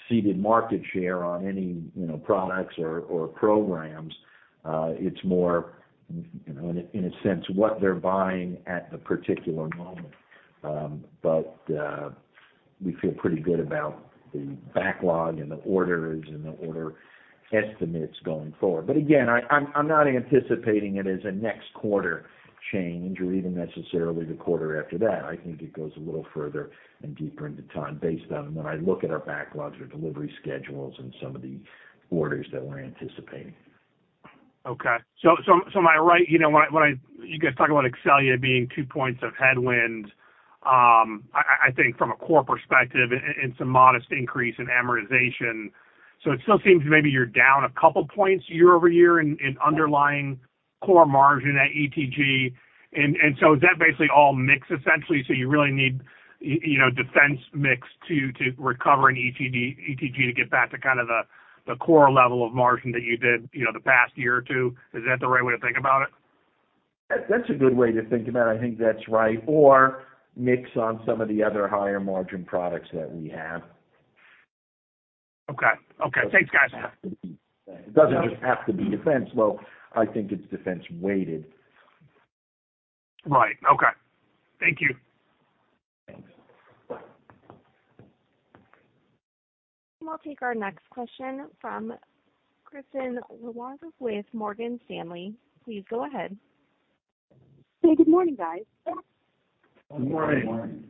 Speaker 4: ceded market share on any, you know, products or programs. It's more, you know, in a sense, what they're buying at the particular moment. We feel pretty good about the backlog and the orders and the order estimates going forward. Again, I'm not anticipating it as a next quarter change or even necessarily the quarter after that. I think it goes a little further and deeper into time based on when I look at our backlogs, our delivery schedules, and some of the orders that we're anticipating.
Speaker 9: Am I right, you know, when you guys talk about Exxelia being two points of headwind, I think from a core perspective and some modest increase in amortization, it still seems maybe you're down a couple points year-over-year in underlying core margin at ETG. Is that basically all mix essentially, you really need, you know, defense mix to recover in ETG to get back to the core level of margin that you did, you know, the past year or two? Is that the right way to think about it?
Speaker 4: That's a good way to think about it. I think that's right. Mix on some of the other higher margin products that we have.
Speaker 9: Okay. Okay. Thanks, guys.
Speaker 4: It doesn't just have to be defense. Well, I think it's defense weighted.
Speaker 9: Right. Okay. Thank you.
Speaker 4: Thanks.
Speaker 1: I'll take our next question from Kristine Liwag with Morgan Stanley. Please go ahead.
Speaker 10: Hey, good morning, guys.
Speaker 3: Good morning.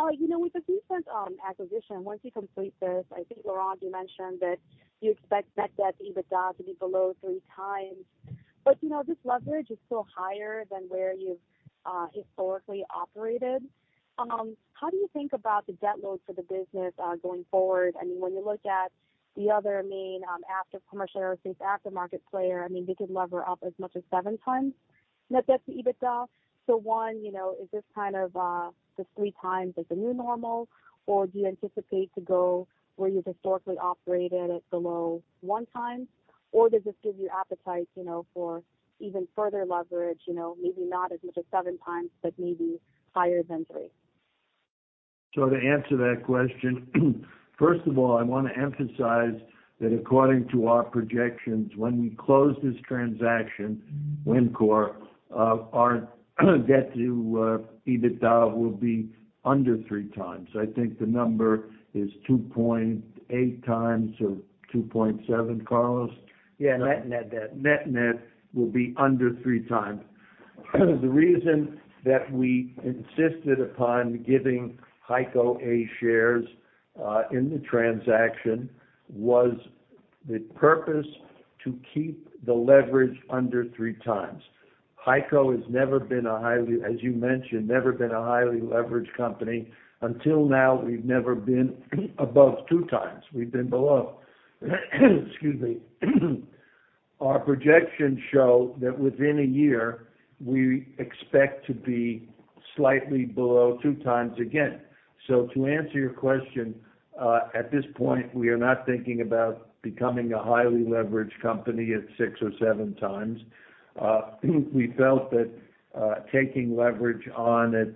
Speaker 2: Good morning.
Speaker 10: You know, with the defense acquisition, once you complete this, I think Laurans, you mentioned that you expect net debt to EBITDA to be below three times. You know, this leverage is still higher than where you've historically operated. How do you think about the debt load for the business going forward? I mean, when you look at the other main after commercial aerospace, after market player, I mean, they could lever up as much as seven times net debt to EBITDA. One, you know, is this kind of this three times is the new normal, or do you anticipate to go where you've historically operated at below one time? Does this give you appetite, you know, for even further leverage, you know, maybe not as much as seven times, but maybe higher than three?
Speaker 2: To answer that question, first of all, I want to emphasize that according to our projections, when we close this transaction, Wencor, our debt to EBITDA will be under three times. I think the number is 2.8 times or 2.7, Carlos?
Speaker 7: Yeah. Net-net debt.
Speaker 2: Net-net will be under three times. The reason that we insisted upon giving HEICO A shares in the transaction was the purpose to keep the leverage under three times. HEICO has never been a highly leveraged company. Until now, we've never been above two times. We've been below. Excuse me. Our projections show that within a year, we expect to be slightly below two times again. To answer your question, at this point, we are not thinking about becoming a highly leveraged company at six or seven times. We felt that taking leverage on at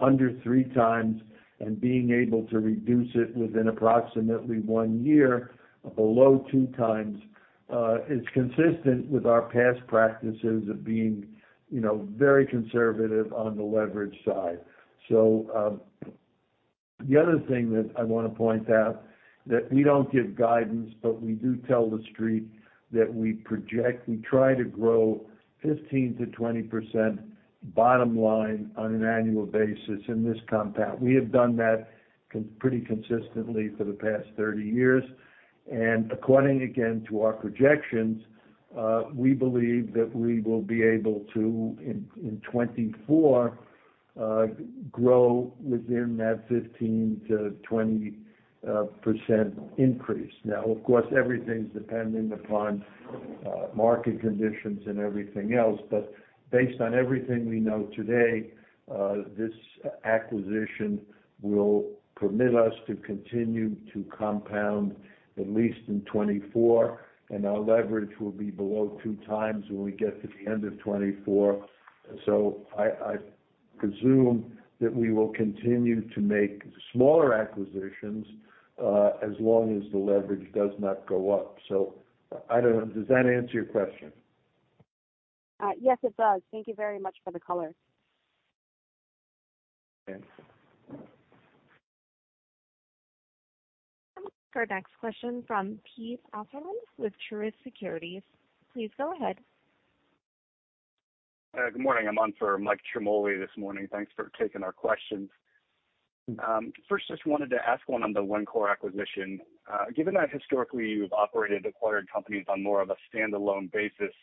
Speaker 2: under three times and being able to reduce it within approximately one year below two times is consistent with our past practices of being, you know, very conservative on the leverage side. The other thing that I wanna point out, that we don't give guidance, but we do tell The Street that we project, we try to grow 15%-20% bottom line on an annual basis in this compound. We have done that pretty consistently for the past 30 years. According again to our projections, we believe that we will be able to in 2024 grow within that 15%-20% increase. Now, of course, everything's dependent upon market conditions and everything else. Based on everything we know today, this acquisition will permit us to continue to compound at least in 2024, and our leverage will be below two times when we get to the end of 2024. I presume that we will continue to make smaller acquisitions, as long as the leverage does not go up. I don't know. Does that answer your question?
Speaker 10: Yes, it does. Thank you very much for the color.
Speaker 2: Okay.
Speaker 1: Our next question from Michael Ciarmoli with Truist Securities. Please go ahead.
Speaker 11: Good morning. I'm on for Mike Ciarmoli this morning. Thanks for taking our questions. First, just wanted to ask one on the Wencor acquisition. Given that historically you've operated acquired companies on more of a standalone basis,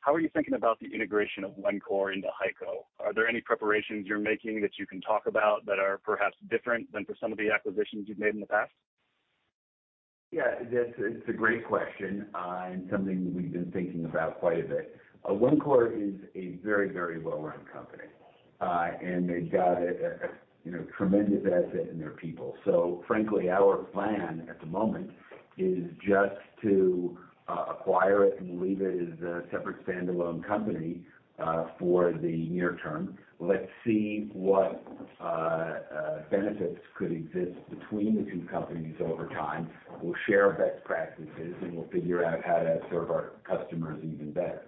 Speaker 11: how are you thinking about the integration of Wencor into HEICO? Are there any preparations you're making that you can talk about that are perhaps different than for some of the acquisitions you've made in the past?
Speaker 3: Yeah, this is a great question, something we've been thinking about quite a bit. Wencor is a very, very well-run company. They've got a, you know, tremendous asset in their people. Frankly, our plan at the moment is just to acquire it and leave it as a separate standalone company, for the near term. Let's see what benefits could exist between the two companies over time. We'll share best practices, and we'll figure out how to serve our customers even better.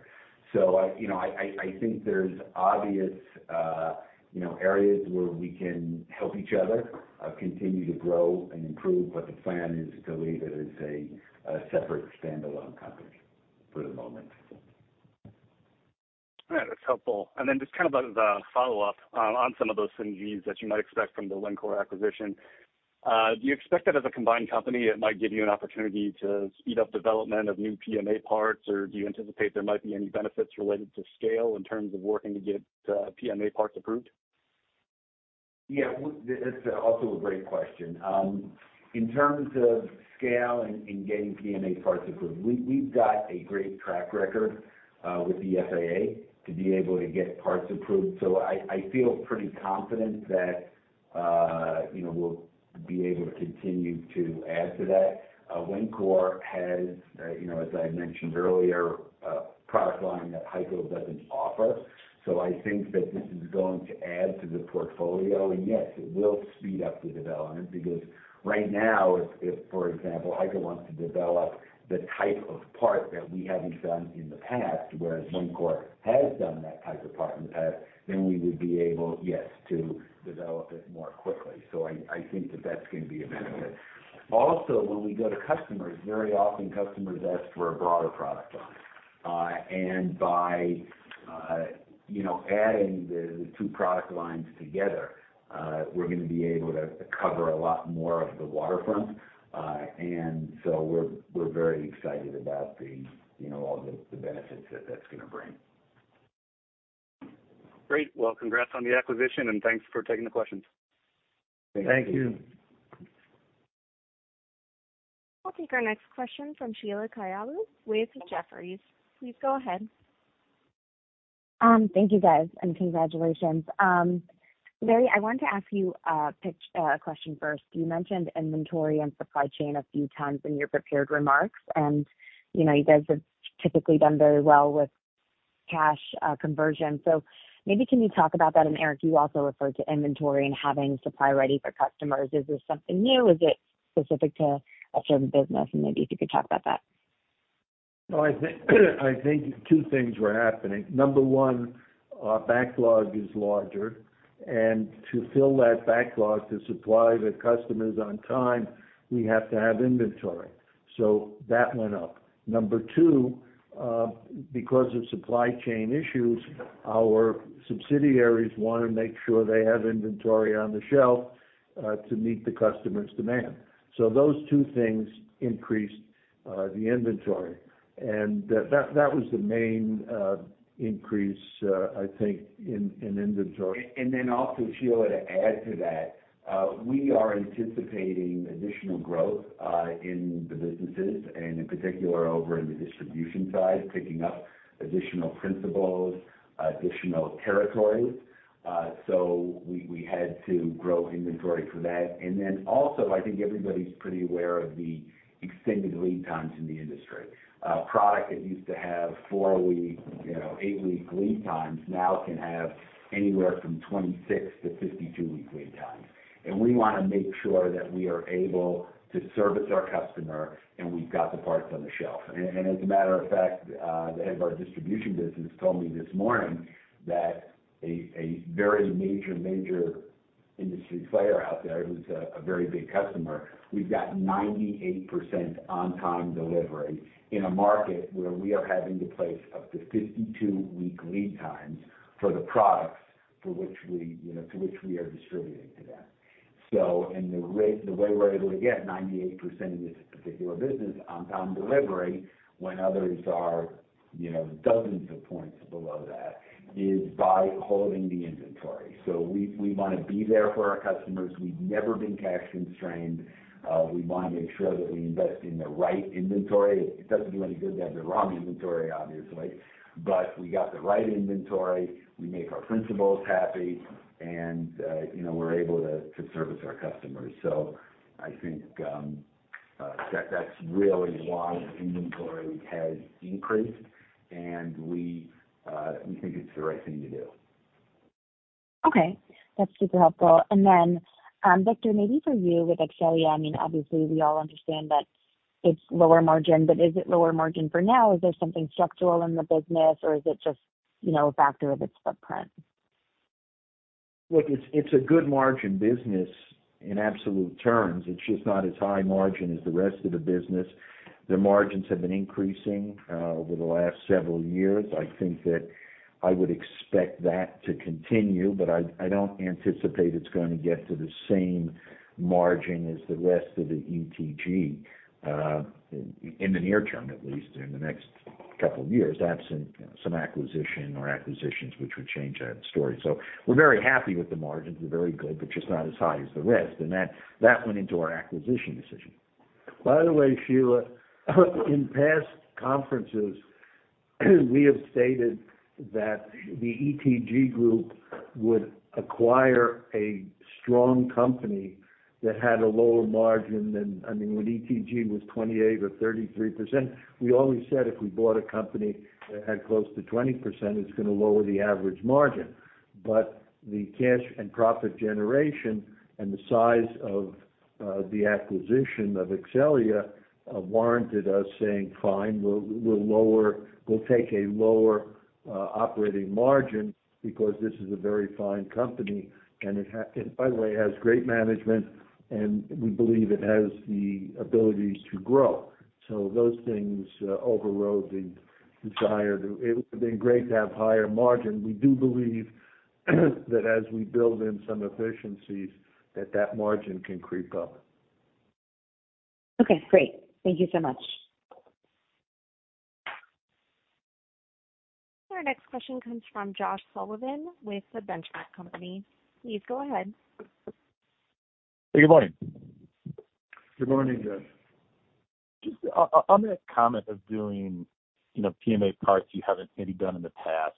Speaker 3: I, you know, I think there's obvious, you know, areas where we can help each other, continue to grow and improve, but the plan is to leave it as a separate standalone company for the moment.
Speaker 12: All right. That's helpful. Just kind of as a follow-up on some of those synergies that you might expect from the Wencor acquisition. Do you expect that as a combined company, it might give you an opportunity to speed up development of new PMA parts, or do you anticipate there might be any benefits related to scale in terms of working to get PMA parts approved?
Speaker 3: Yeah. Well, that's also a great question. In terms of scale and getting PMA parts approved, we've got a great track record with the FAA to be able to get parts approved. I feel pretty confident that, you know, we'll be able to continue to add to that. Wencor has, you know, as I mentioned earlier, a product line that HEICO doesn't offer. I think that this is going to add to the portfolio. Yes, it will speed up the development because right now, if, for example, HEICO wants to develop the type of part that we haven't done in the past, whereas Wencor has done that type of part in the past, we would be able, yes, to develop it more quickly. I think that that's gonna be a benefit. When we go to customers, very often customers ask for a broader product line. By, you know, adding the two product lines together, we're gonna be able to cover a lot more of the waterfront. We're, we're very excited about the, you know, all the benefits that that's gonna bring.
Speaker 12: Great. Well, congrats on the acquisition, and thanks for taking the questions.
Speaker 3: Thank you.
Speaker 2: Thank you.
Speaker 1: I'll take our next question from Sheila Kahyaoglu with Jefferies. Please go ahead.
Speaker 13: Thank you guys, and congratulations. Larry, I wanted to ask you a question first. You mentioned inventory and supply chain a few times in your prepared remarks. You know, you guys have typically done very well with cash conversion. Maybe can you talk about that? Eric, you also referred to inventory and having supply ready for customers. Is this something new? Is it specific to a certain business? Maybe if you could talk about that?
Speaker 2: No, I think two things were happening. Number one, our backlog is larger. To fill that backlog to supply the customers on time, we have to have inventory. That went up. Number two, because of supply chain issues, our subsidiaries wanna make sure they have inventory on the shelf to meet the customer's demand. Those two things increased the inventory. That was the main increase, I think in inventory.
Speaker 3: Sheila, to add to that, we are anticipating additional growth in the businesses and in particular over in the distribution side, picking up additional principals, additional territories. We had to grow inventory for that. I think everybody's pretty aware of the extended lead times in the industry. Product that used to have 4-week, you know, 8-week lead times now can have anywhere from 26-52 week lead times. We wanna make sure that we are able to service our customer, and we've got the parts on the shelf. As a matter of fact, the head of our distribution business told me this morning that a very major industry player out there, who's a very big customer, we've got 98% on-time delivery in a market where we are having to place up to 52-week lead times for the products for which we, you know, to which we are distributing to them. The way we're able to get 98% in this particular business on-time delivery when others are, you know, dozens of points below that, is by holding the inventory. We wanna be there for our customers. We've never been cash constrained. We wanna make sure that we invest in the right inventory. It doesn't do any good to have the wrong inventory, obviously. We got the right inventory. We make our principals happy, and, you know, we're able to service our customers. I think that's really why inventory has increased, and we think it's the right thing to do.
Speaker 13: Okay. That's super helpful. Victor, maybe for you with Exxelia, I mean, obviously we all understand that it's lower margin, but is it lower margin for now? Is there something structural in the business, or is it just, you know, a factor of its footprint?
Speaker 3: It's a good margin business in absolute terms. It's just not as high margin as the rest of the business. The margins have been increasing over the last several years. I think that I would expect that to continue, but I don't anticipate it's gonna get to the same margin as the rest of the ETG in the near term, at least in the next couple of years, absent some acquisition or acquisitions which would change that story. We're very happy with the margins. They're very good, just not as high as the rest, and that went into our acquisition decision.
Speaker 2: By the way, Sheila, in past conferences, we have stated that the ETG group would acquire a strong company that had a lower margin than. I mean, when ETG was 28% or 33%, we always said if we bought a company that had close to 20%, it's gonna lower the average margin. The cash and profit generation and the size of the acquisition of Exxelia warranted us saying, "Fine, we'll take a lower operating margin because this is a very fine company," and it, by the way, has great management, and we believe it has the ability to grow. Those things overrode the desire to. It would have been great to have higher margin. We do believe that as we build in some efficiencies, that that margin can creep up.
Speaker 13: Okay, great. Thank you so much.
Speaker 1: Our next question comes from Josh Sullivan with The Benchmark Company. Please go ahead.
Speaker 14: Good morning.
Speaker 2: Good morning, Josh.
Speaker 14: Just on the comment of doing, you know, PMA parts you haven't maybe done in the past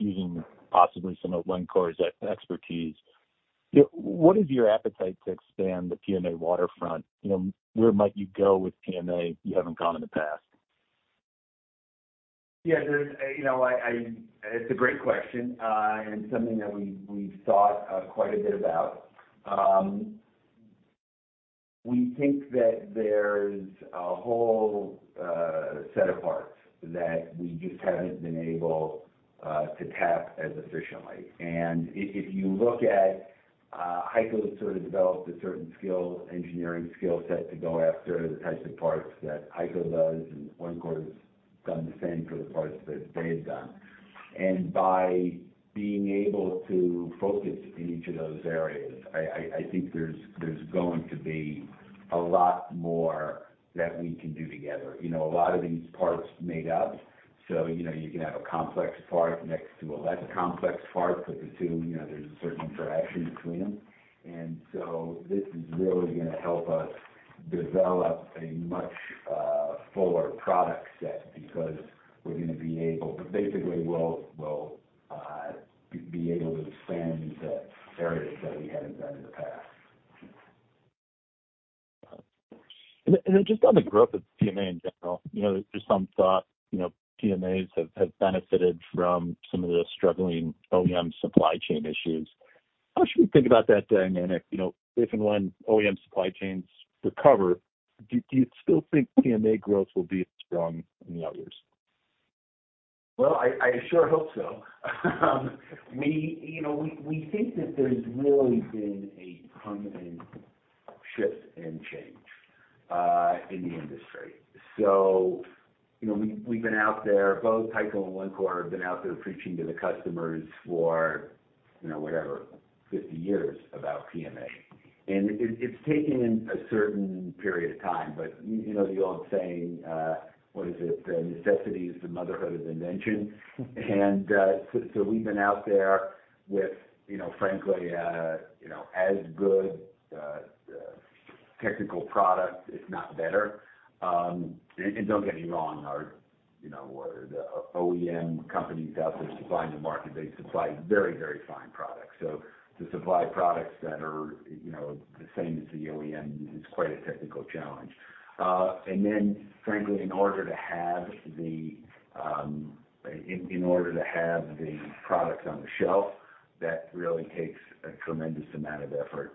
Speaker 14: using possibly some of Wencor's expertise, you know, what is your appetite to expand the PMA waterfront? You know, where might you go with PMA you haven't gone in the past?
Speaker 3: Yeah, there's, you know, I it's a great question, and something that we've thought quite a bit about. We think that there's a whole set of parts that we just haven't been able to tap as efficiently. I-if you look at HEICO sort of developed a certain skill, engineering skill set to go after the types of parts that HEICO does, and Wencor has done the same for the parts that they've done. By being able to focus in each of those areas, I, I think there's going to be a lot more that we can do together. You know, a lot of these parts made up, so, you know, you can have a complex part next to a less complex part, but the two, you know, there's a certain interaction between them. This is really gonna help us develop a much, fuller product set because basically we'll be able to expand into areas that we haven't done in the past.
Speaker 14: Just on the growth of PMA in general, you know, just some thought, you know, PMAs have benefited from some of the struggling OEM supply chain issues. How should we think about that dynamic, you know, if and when OEM supply chains recover, do you still think PMA growth will be as strong in the others?
Speaker 3: Well, I sure hope so. We, you know, we think that there's really been a permanent shift and change in the industry. You know, we've been out there, both HEICO and Wencor have been out there preaching to the customers for, you know, whatever, 50 years about PMA. It's taken a certain period of time. You know the old saying, what is it? Necessity is the motherhood of invention. We've been out there with, you know, frankly, you know, as good technical product, if not better. And don't get me wrong, our, you know, or the OEM companies out there supplying the market, they supply very, very fine products. To supply products that are, you know, the same as the OEM is quite a technical challenge. Frankly, in order to have the products on the shelf, that really takes a tremendous amount of effort.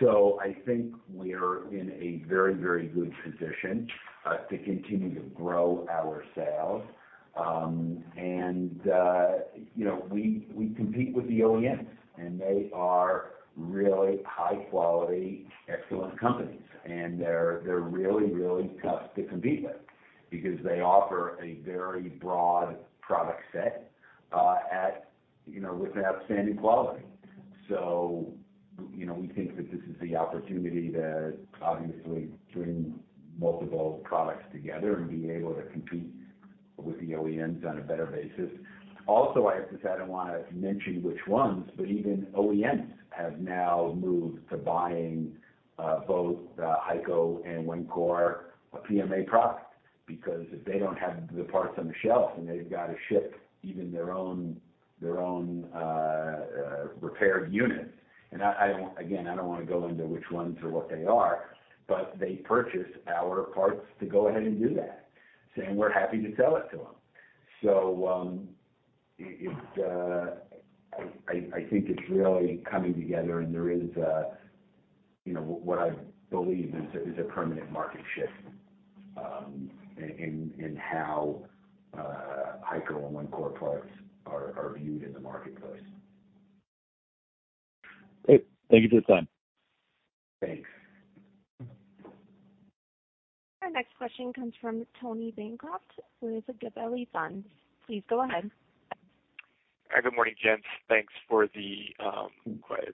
Speaker 3: I think we're in a very, very good position to continue to grow our sales. You know, we compete with the OEMs, and they are really high quality, excellent companies, and they're really, really tough to compete with because they offer a very broad product set at, you know, with outstanding quality. You know, we think that this is the opportunity to obviously bring multiple products together and be able to compete with the OEMs on a better basis. I have to say, I don't wanna mention which ones, but even OEMs have now moved to buying both HEICO and Wencor PMA products because if they don't have the parts on the shelf, and they've got to ship even their own repaired units. I don't wanna go into which ones or what they are, but they purchase our parts to go ahead and do that, and we're happy to sell it to them. I think it's really coming together, and there is a, you know, what I believe is a permanent market shift in how HEICO and Wencor products are viewed in the marketplace.
Speaker 14: Great. Thank you for your time.
Speaker 3: Thanks.
Speaker 1: Our next question comes from Tony Bancroft with Gabelli Funds. Please go ahead.
Speaker 15: Hi. Good morning, gents. Thanks for the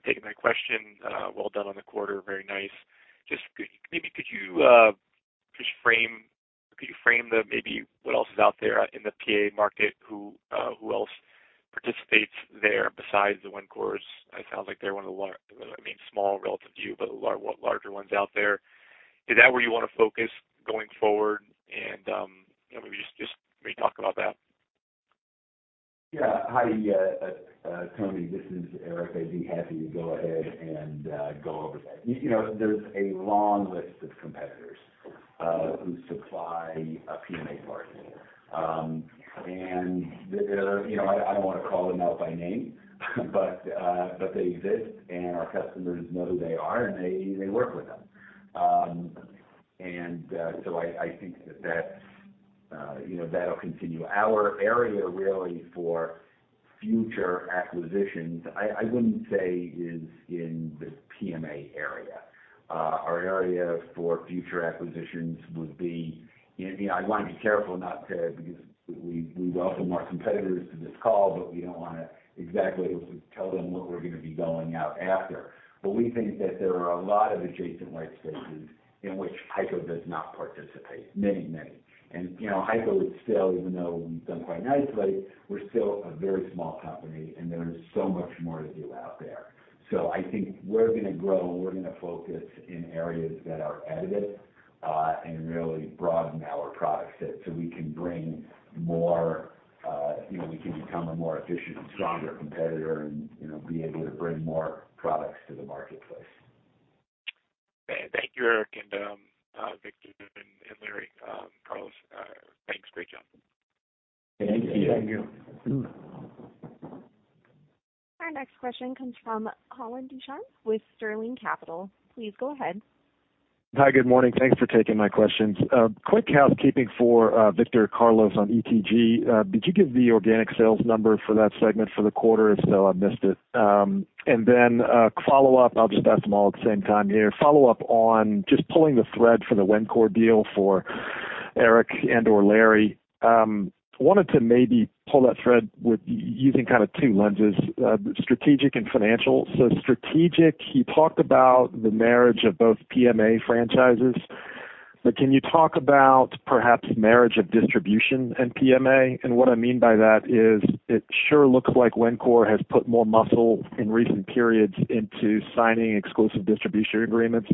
Speaker 15: taking my question. Well done on the quarter. Very nice. Just maybe could you, could you frame the maybe what else is out there in the PA market? Who, who else participates there besides the Wencors? It sounds like they're one of the I mean, small relative to you, but larger ones out there. Is that where you wanna focus going forward? you know, maybe just maybe talk about that.
Speaker 3: Yeah. Hi, Tony, this is Eric. I'd be happy to go ahead and go over that. You know, there's a long list of competitors who supply a PMA part. There are, you know, I don't wanna call them out by name, but they exist, and our customers know who they are, and they work with them. I think that, you know, that'll continue. Our area really for future acquisitions, I wouldn't say is in the PMA area. Our area for future acquisitions would be. You know, I mean, I wanna be careful not to, because we welcome our competitors to this call, but we don't wanna exactly tell them what we're gonna be going out after. We think that there are a lot of adjacent white spaces in which HEICO does not participate. Many, many. You know, HEICO is still, even though we've done quite nicely, we're still a very small company, and there is so much more to do out there. I think we're gonna grow and we're gonna focus in areas that are additive, and really broaden our product set so we can bring more, you know, we can become a more efficient and stronger competitor and, you know, be able to bring more products to the marketplace.
Speaker 15: Thank you, Eric, and Victor and Larry, Carlos. Thanks. Great job.
Speaker 3: Thank you.
Speaker 1: Our next question comes from Colin Deschamps with Sterling Capital. Please go ahead.
Speaker 16: Hi. Good morning. Thanks for taking my questions. Quick housekeeping for Victor Carlos on ETG. Did you give the organic sales number for that segment for the quarter? If so, I missed it. A follow-up. I'll just ask them all at the same time here. Follow-up on just pulling the thread for the Wencor deal for Eric and/or Larry. wanted to maybe pull that thread with using kind of two lenses, strategic and financial. Strategic, you talked about the marriage of both PMA franchises, but can you talk about perhaps marriage of distribution and PMA? What I mean by that is it sure looks like Wencor has put more muscle in recent periods into signing exclusive distribution agreements.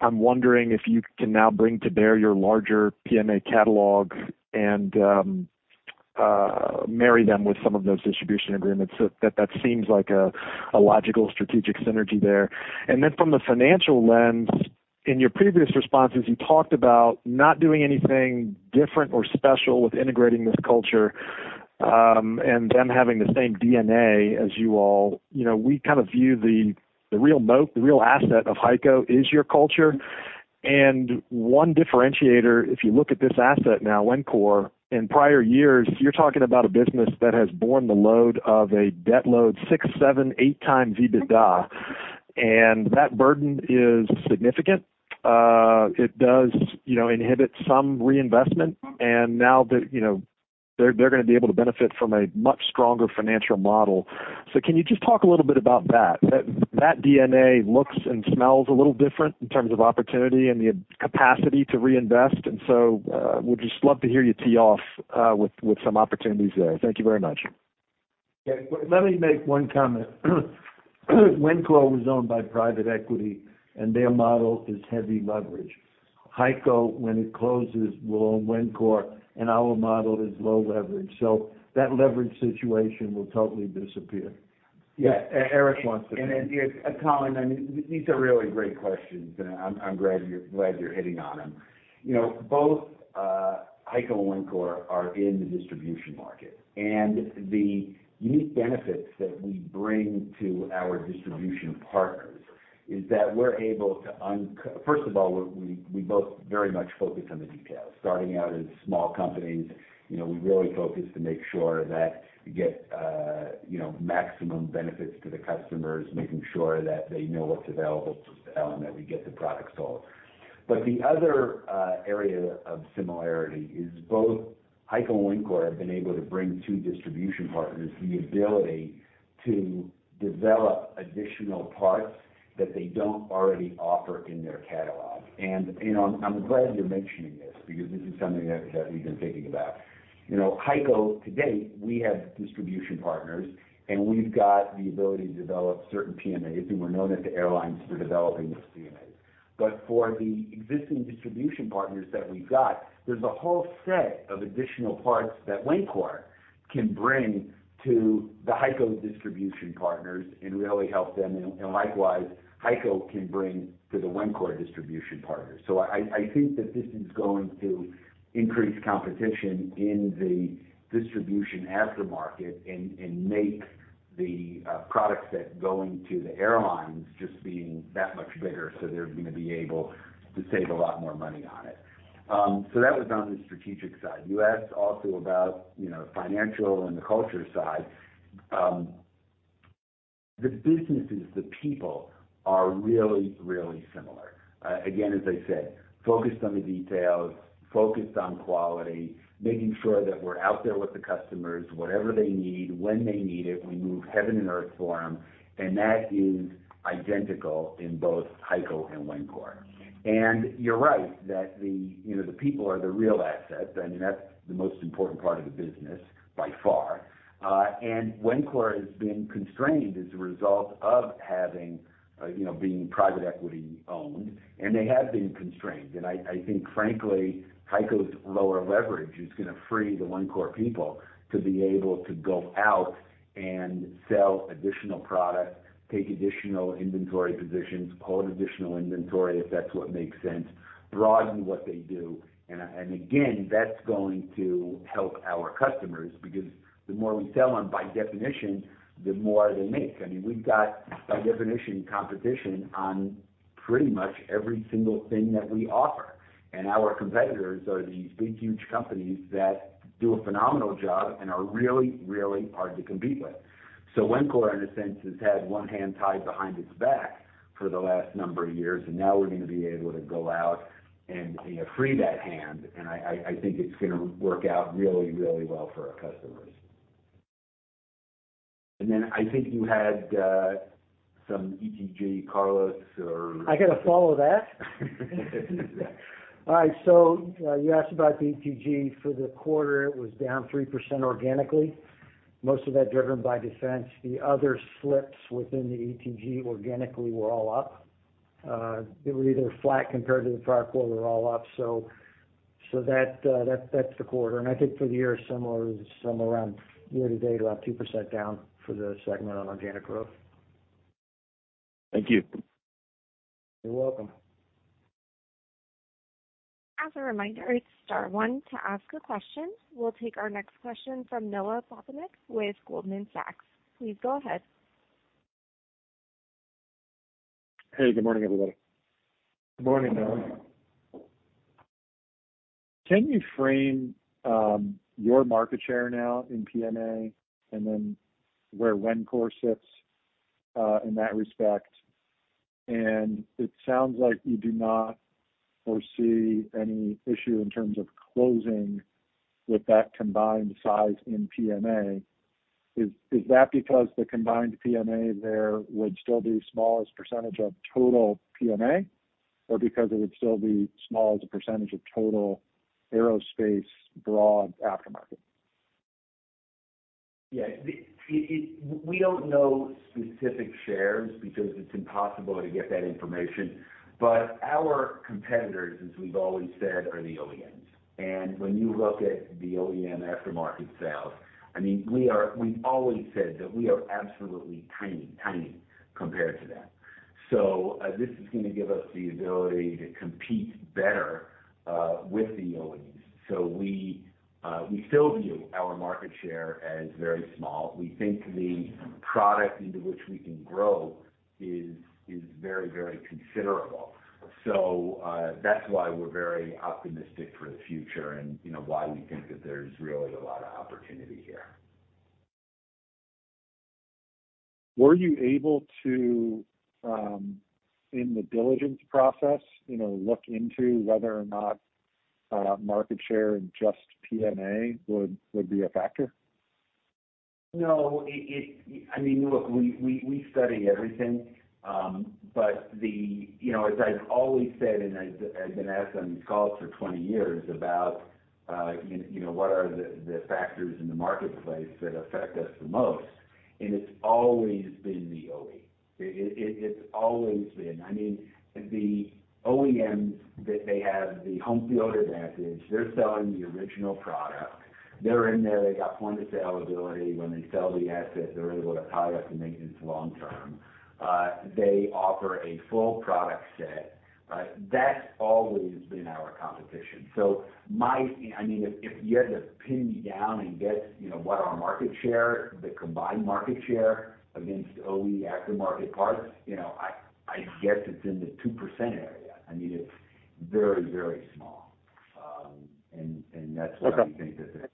Speaker 16: I'm wondering if you can now bring to bear your larger PMA catalog and marry them with some of those distribution agreements. That seems like a logical strategic synergy there. Then from the financial lens, in your previous responses, you talked about not doing anything different or special with integrating this culture, and them having the same DNA as you all. You know, we kind of view the real asset of HEICO is your culture. One differentiator, if you look at this asset now, Wencor, in prior years, you're talking about a business that has borne the load of a debt load six, seven, eight times EBITDA. That burden is significant. It does, you know, inhibit some reinvestment. Now that, you know, they're gonna be able to benefit from a much stronger financial model. Can you just talk a little bit about that? That DNA looks and smells a little different in terms of opportunity and the capacity to reinvest. Would just love to hear you tee off with some opportunities there. Thank you very much.
Speaker 2: Yeah. Let me make one comment. Wencor was owned by private equity, and their model is heavy leverage. HEICO, when it closes, will own Wencor, and our model is low leverage. That leverage situation will totally disappear.
Speaker 3: Yeah.
Speaker 2: Eric wants to.
Speaker 3: Colin, I mean, these are really great questions, and I'm glad you're hitting on them. You know, both HEICO and Wencor are in the distribution market, and the unique benefits that we bring to our distribution partners is that we're able to First of all, we both very much focus on the details. Starting out as small companies, you know, we really focus to make sure that we get, you know, maximum benefits to the customers, making sure that they know what's available to sell and that we get the products sold. The other area of similarity is both HEICO and Wencor have been able to bring to distribution partners the ability to develop additional parts that they don't already offer in their catalog. You know, I'm glad you're mentioning this because this is something that we've been thinking about. You know, HEICO to date, we have distribution partners, and we've got the ability to develop certain PMAs, and we're known at the airlines for developing those PMAs. For the existing distribution partners that we've got, there's a whole set of additional parts that Wencor can bring to the HEICO distribution partners and really help them, and likewise, HEICO can bring to the Wencor distribution partners. I think that this is going to increase competition in the distribution aftermarket and make the product set going to the airlines just being that much bigger, so they're gonna be able to save a lot more money on it. That was on the strategic side. You asked also about, you know, financial and the culture side. The businesses, the people are really similar. Again, as I said, focused on the details, focused on quality, making sure that we're out there with the customers, whatever they need, when they need it, we move heaven and earth for them, and that is identical in both HEICO and Wencor. You're right that the, you know, the people are the real asset. I mean, that's the most important part of the business by far. Wencor has been constrained as a result of having, you know, being private equity owned, and they have been constrained. I think, frankly, HEICO's lower leverage is gonna free the Wencor people to be able to go out and sell additional product, take additional inventory positions, hold additional inventory if that's what makes sense, broaden what they do. Again, that's going to help our customers because the more we sell them, by definition, the more they make. I mean, we've got, by definition, competition on pretty much every single thing that we offer. Our competitors are these big, huge companies that do a phenomenal job and are really, really hard to compete with. Wencor, in a sense, has had one hand tied behind its back for the last number of years, and now we're gonna be able to go out and, you know, free that hand, and I think it's gonna work out really, really well for our customers. Then I think you had some ETG, Carlos, or...
Speaker 2: I gotta follow that? All right, you asked about the ETG. For the quarter, it was down 3% organically, most of that driven by defense. The other slips within the ETG organically were all up. They were either flat compared to the prior quarter or all up. That's the quarter. I think for the year, similar. Year to date, about 2% down for the segment on organic growth.
Speaker 16: Thank you.
Speaker 2: You're welcome.
Speaker 1: As a reminder, it's star one to ask a question. We'll take our next question from Noah Poponak with Goldman Sachs. Please go ahead.
Speaker 17: Hey, good morning, everybody.
Speaker 2: Good morning, Noah.
Speaker 17: Can you frame, your market share now in PMA and then where Wencor sits, in that respect? It sounds like you do not foresee any issue in terms of closing with that combined size in PMA. Is that because the combined PMA there would still be small as percentage of total PMA, or because it would still be small as a percentage of total aerospace broad aftermarket?
Speaker 3: The, we don't know specific shares because it's impossible to get that information. Our competitors, as we've always said, are the OEMs. When you look at the OEM aftermarket sales, I mean, we've always said that we are absolutely tiny compared to them. This is gonna give us the ability to compete better with the OEMs. We still view our market share as very small. We think the product into which we can grow is very, very considerable. That's why we're very optimistic for the future and, you know, why we think that there's really a lot of opportunity here.
Speaker 17: Were you able to, in the diligence process, you know, look into whether or not, market share and just PMA would be a factor?
Speaker 3: No, I mean, look, we study everything. The, you know, as I've always said, I've been asked on these calls for 20 years about, you know, what are the factors in the marketplace that affect us the most, it's always been the OE. It's always been. I mean, the OEMs, they have the home field advantage. They're selling the original product. They're in there, they got point of sale ability. When they sell the assets, they're able to tie up the maintenance long term. They offer a full product set. That's always been our competition. I mean, if you had to pin me down and guess, you know, what our market share, the combined market share against OE aftermarket parts, you know, I guess it's in the 2% area. I mean, it's very, very small.
Speaker 17: Okay.
Speaker 3: we think that there's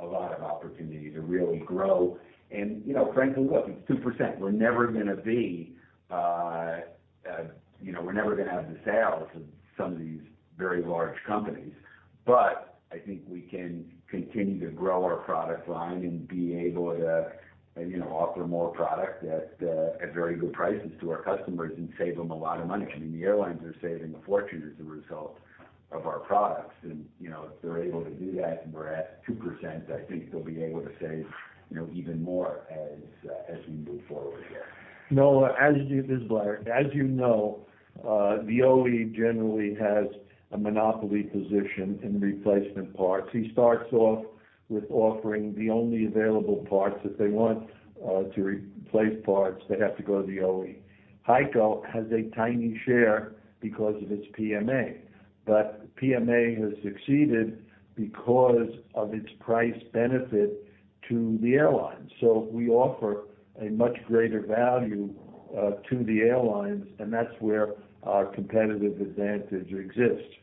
Speaker 3: a lot of opportunity to really grow. You know, frankly, look, it's 2%. We're never gonna be, you know, we're never gonna have the sales of some of these very large companies. I think we can continue to grow our product line and be able to, you know, offer more product at very good prices to our customers and save them a lot of money. I mean, the airlines are saving a fortune as a result of our products and, you know, if they're able to do that and we're at 2%, I think they'll be able to save, you know, even more as we move forward here.
Speaker 18: Noah, this is Blair. As you know, the OE generally has a monopoly position in replacement parts. He starts off with offering the only available parts. If they want to replace parts, they have to go to the OE. HEICO has a tiny share because of its PMA, but PMA has succeeded because of its price benefit to the airlines. We offer a much greater value to the airlines, and that's where our competitive advantage exists.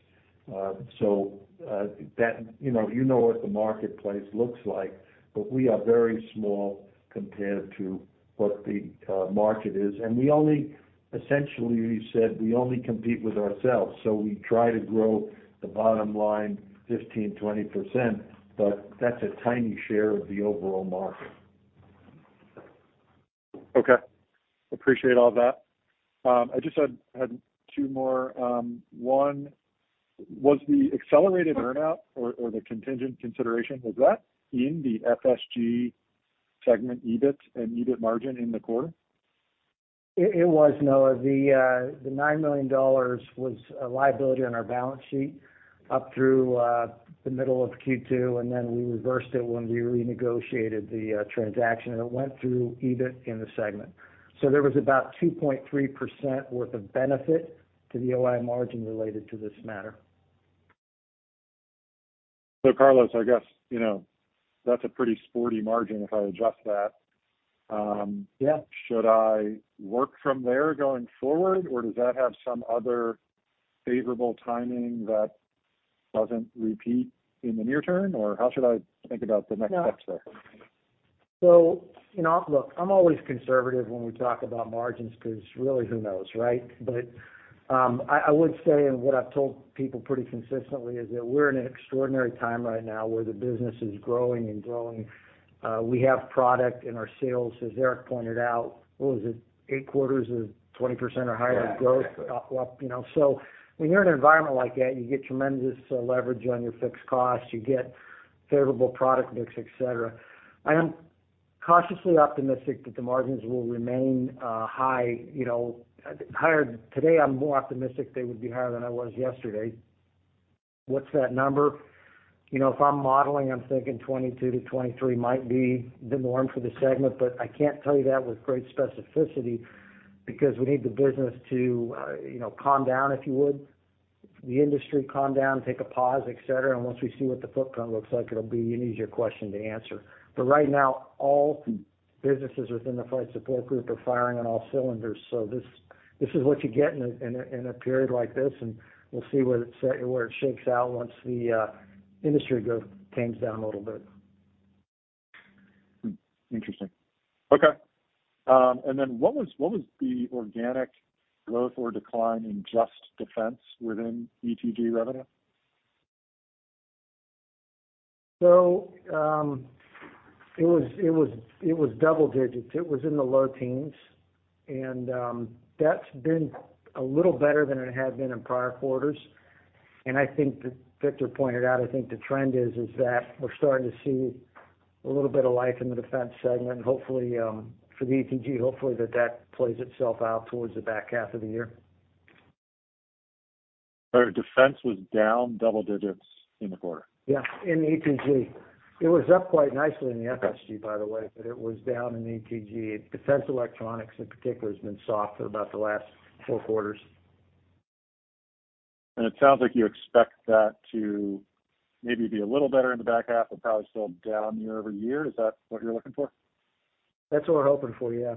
Speaker 18: You know, you know what the marketplace looks like, but we are very small compared to what the market is. We only, essentially, as you said, we only compete with ourselves, so we try to grow the bottom line 15%-20%, but that's a tiny share of the overall market.
Speaker 17: Okay. Appreciate all that. I just had two more. One, was the accelerated earn-out or the contingent consideration, was that in the FSG segment EBIT and EBIT margin in the quarter?
Speaker 7: It was, Noah. The $9 million was a liability on our balance sheet up through the middle of Q2, and then we reversed it when we renegotiated the transaction, and it went through EBIT in the segment. There was about 2.3% worth of benefit to the OI margin related to this matter.
Speaker 17: Carlos, I guess, you know, that's a pretty sporty margin if I adjust that.
Speaker 7: Yeah.
Speaker 17: Should I work from there going forward, or does that have some other favorable timing that doesn't repeat in the near term, or how should I think about the next steps there?
Speaker 7: You know, look, I'm always conservative when we talk about margins, because really, who knows, right? But, I would say, and what I've told people pretty consistently, is that we're in an extraordinary time right now where the business is growing and growing. We have product in our sales, as Eric pointed out, what was it? Eight quarters of 20% or higher growth-
Speaker 2: Yeah. Up, you know? When you're in an environment like that, you get tremendous leverage on your fixed costs, you get favorable product mix, et cetera. I am cautiously optimistic that the margins will remain high, you know, higher. Today, I'm more optimistic they would be higher than I was yesterday. What's that number? You know, if I'm modeling, I'm thinking 22%-23% might be the norm for the segment, I can't tell you that with great specificity because we need the business to, you know, calm down, if you would. The industry calm down, take a pause, et cetera. Once we see what the footprint looks like, it'll be an easier question to answer. Right now, all businesses within the Flight Support Group are firing on all cylinders. This is what you get in a period like this, and we'll see where it shakes out once the industry growth tames down a little bit.
Speaker 17: Interesting. Okay. Then what was the organic growth or decline in just defense within ETG revenue?
Speaker 2: it was double digits. It was in the low teens. That's been a little better than it had been in prior quarters. And I think that Victor pointed out, the trend is that we're starting to see a little bit of life in the defense segment, hopefully for the ETG. Hopefully that plays itself out towards the back half of the year. All right. Defense was down double digits in the quarter. in ETG. It was up quite nicely in the FSG by the way, but it was down in ETG. Defense electronics in particular has been soft for about the last four quarters.
Speaker 17: It sounds like you expect that to maybe be a little better in the back half, but probably still down year-over-year. Is that what you're looking for?
Speaker 2: That's what we're hoping for, yeah.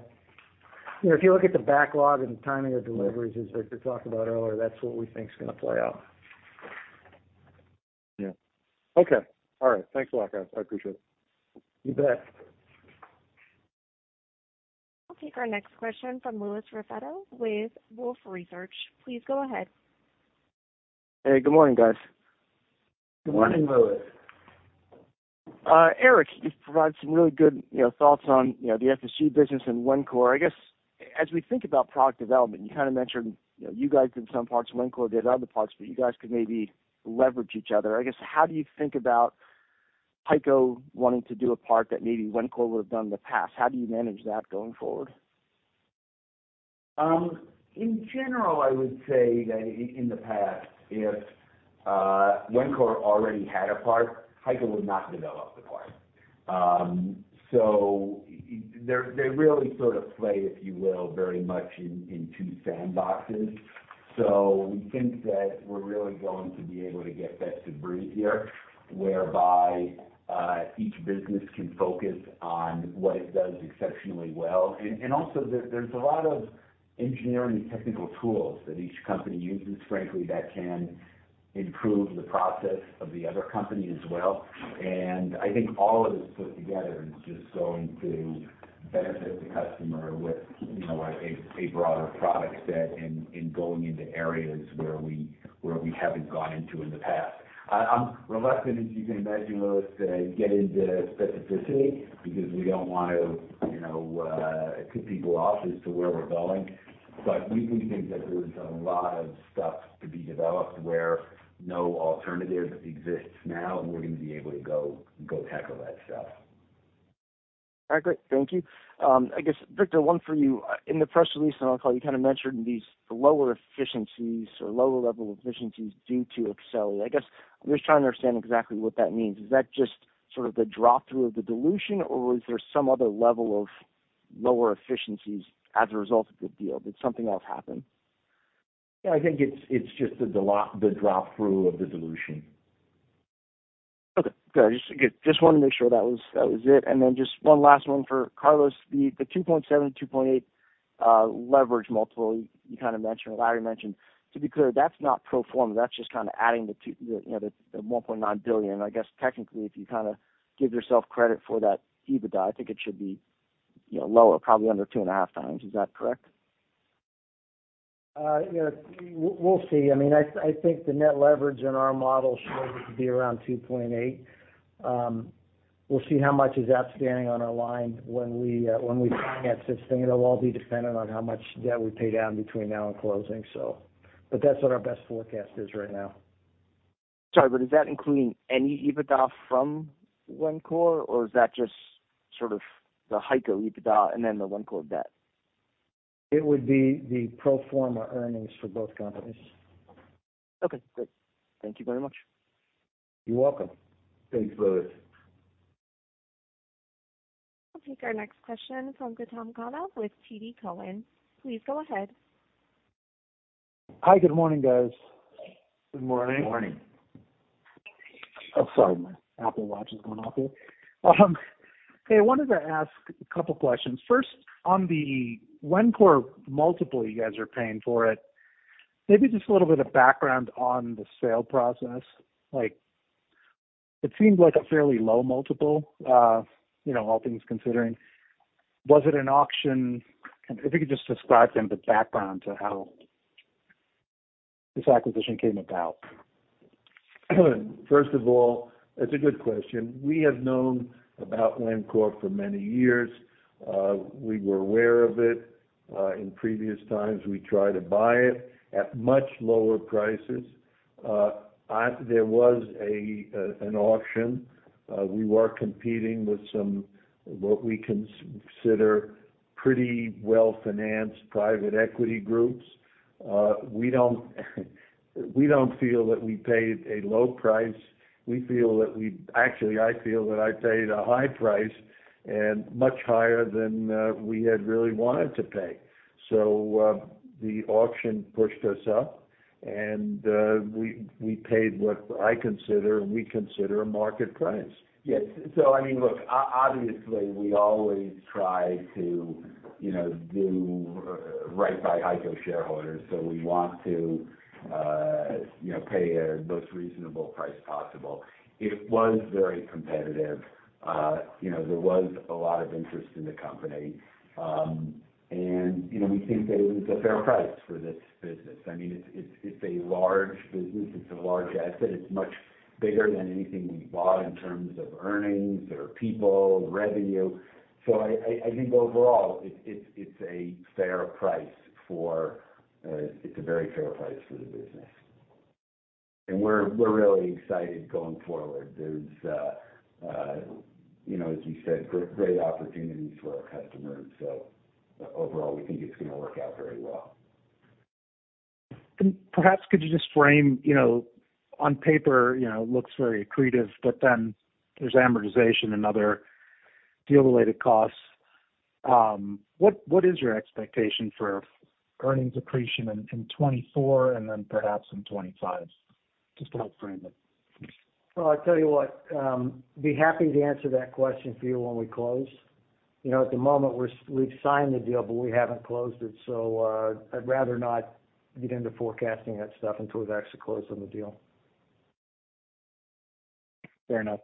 Speaker 2: You know, if you look at the backlog and timing of deliveries, as Victor talked about earlier, that's what we think is gonna play out.
Speaker 17: Yeah. Okay. All right. Thanks a lot, guys. I appreciate it.
Speaker 2: You bet.
Speaker 1: I'll take our next question from Louis Raffetto with Wolfe Research. Please go ahead.
Speaker 19: Hey, good morning, guys.
Speaker 3: Good morning. Good morning, Louis.
Speaker 19: Eric, you've provided some really good, you know, thoughts on, you know, the FSG business and Wencor. I guess, as we think about product development, you kinda mentioned, you know, you guys in some parts, Wencor did other parts, but you guys could maybe leverage each other. I guess, how do you think about HEICO wanting to do a part that maybe Wencor would have done in the past? How do you manage that going forward?
Speaker 3: In general, I would say that in the past, if Wencor already had a part, HEICO would not develop the part. They really sort of play, if you will, very much in two sandboxes. We think that we're really going to be able to get that to breathe here, whereby each business can focus on what it does exceptionally well. Also there's a lot of engineering and technical tools that each company uses, frankly, that can improve the process of the other company as well. I think all of this put together is just going to benefit the customer with, you know, a broader product set in going into areas where we haven't gone into in the past. I'm reluctant, as you can imagine, Louis, to get into specificity because we don't want to, you know, tip people off as to where we're going. We do think that there's a lot of stuff to be developed where no alternative exists now, and we're gonna be able to go tackle that stuff.
Speaker 19: All right, great. Thank you. I guess, Victor, one for you. In the press release and on the call, you kinda mentioned these lower efficiencies or lower level efficiencies due to Exxelia. I guess, I'm just trying to understand exactly what that means. Is that just sort of the drop through of the dilution or was there some other level of lower efficiencies as a result of the deal? Did something else happen?
Speaker 20: Yeah, I think it's just the drop through of the dilution.
Speaker 19: Okay. Good. Just wanted to make sure that was it. Just one last one for Carlos. The 2.7, 2.8 leverage multiple you kind of mentioned, Larry mentioned. To be clear, that's not pro forma, that's just kinda adding the, you know, the $1.9 billion. I guess technically, if you kinda give yourself credit for that EBITDA, I think it should be, you know, lower, probably under 2.5 times. Is that correct?
Speaker 7: You know, we'll see. I mean, I think the net leverage in our model shows it to be around 2.8. We'll see how much is outstanding on our line when we finance this thing. It'll all be dependent on how much debt we pay down between now and closing. That's what our best forecast is right now.
Speaker 19: Sorry, is that including any EBITDA from Wencor, or is that just sort of the HEICO EBITDA and then the Wencor debt?
Speaker 7: It would be the pro forma earnings for both companies.
Speaker 19: Okay, great. Thank you very much.
Speaker 3: You're welcome. Thanks, Louis.
Speaker 1: I'll take our next question from Gautam Khanna with TD Cowen. Please go ahead.
Speaker 21: Hi, good morning, guys.
Speaker 3: Good morning.
Speaker 2: Good morning.
Speaker 21: Oh, sorry, my Apple Watch is going off here. Okay, I wanted to ask a couple questions. First, on the Wencor multiple you guys are paying for it, maybe just a little bit of background on the sale process. Like, it seemed like a fairly low multiple, you know, all things considering. Was it an auction? If you could just describe then the background to how this acquisition came about.
Speaker 3: First of all, that's a good question. We have known about Wencor for many years. We were aware of it. In previous times, we tried to buy it at much lower prices. There was an auction. We were competing with some, what we consider pretty well-financed private equity groups. We don't feel that we paid a low price. We feel that actually, I feel that I paid a high price and much higher than we had really wanted to pay. The auction pushed us up, we paid what I consider and we consider a market price. Yes. I mean, look, obviously, we always try to, you know, do right by HEICO shareholders. We want to, you know, pay a most reasonable price possible. It was very competitive. you know, there was a lot of interest in the company. you know, we think that it was a fair price for this business. I mean, it's a large business, it's a large asset. It's much bigger than anything we bought in terms of earnings or people, revenue. I think overall it's a fair price for, it's a very fair price for the business. We're really excited going forward. There's, you know, as you said, great opportunities for our customers. Overall, we think it's gonna work out very well.
Speaker 21: Perhaps could you just frame, you know, on paper, you know, looks very accretive, but then there's amortization and other deal-related costs. What is your expectation for earnings depreciation in 2024 and then perhaps in 2025? Just to help frame it.
Speaker 3: I tell you what, be happy to answer that question for you when we close. You know, at the moment we've signed the deal, but we haven't closed it, I'd rather not get into forecasting that stuff until we've actually closed on the deal.
Speaker 21: Fair enough.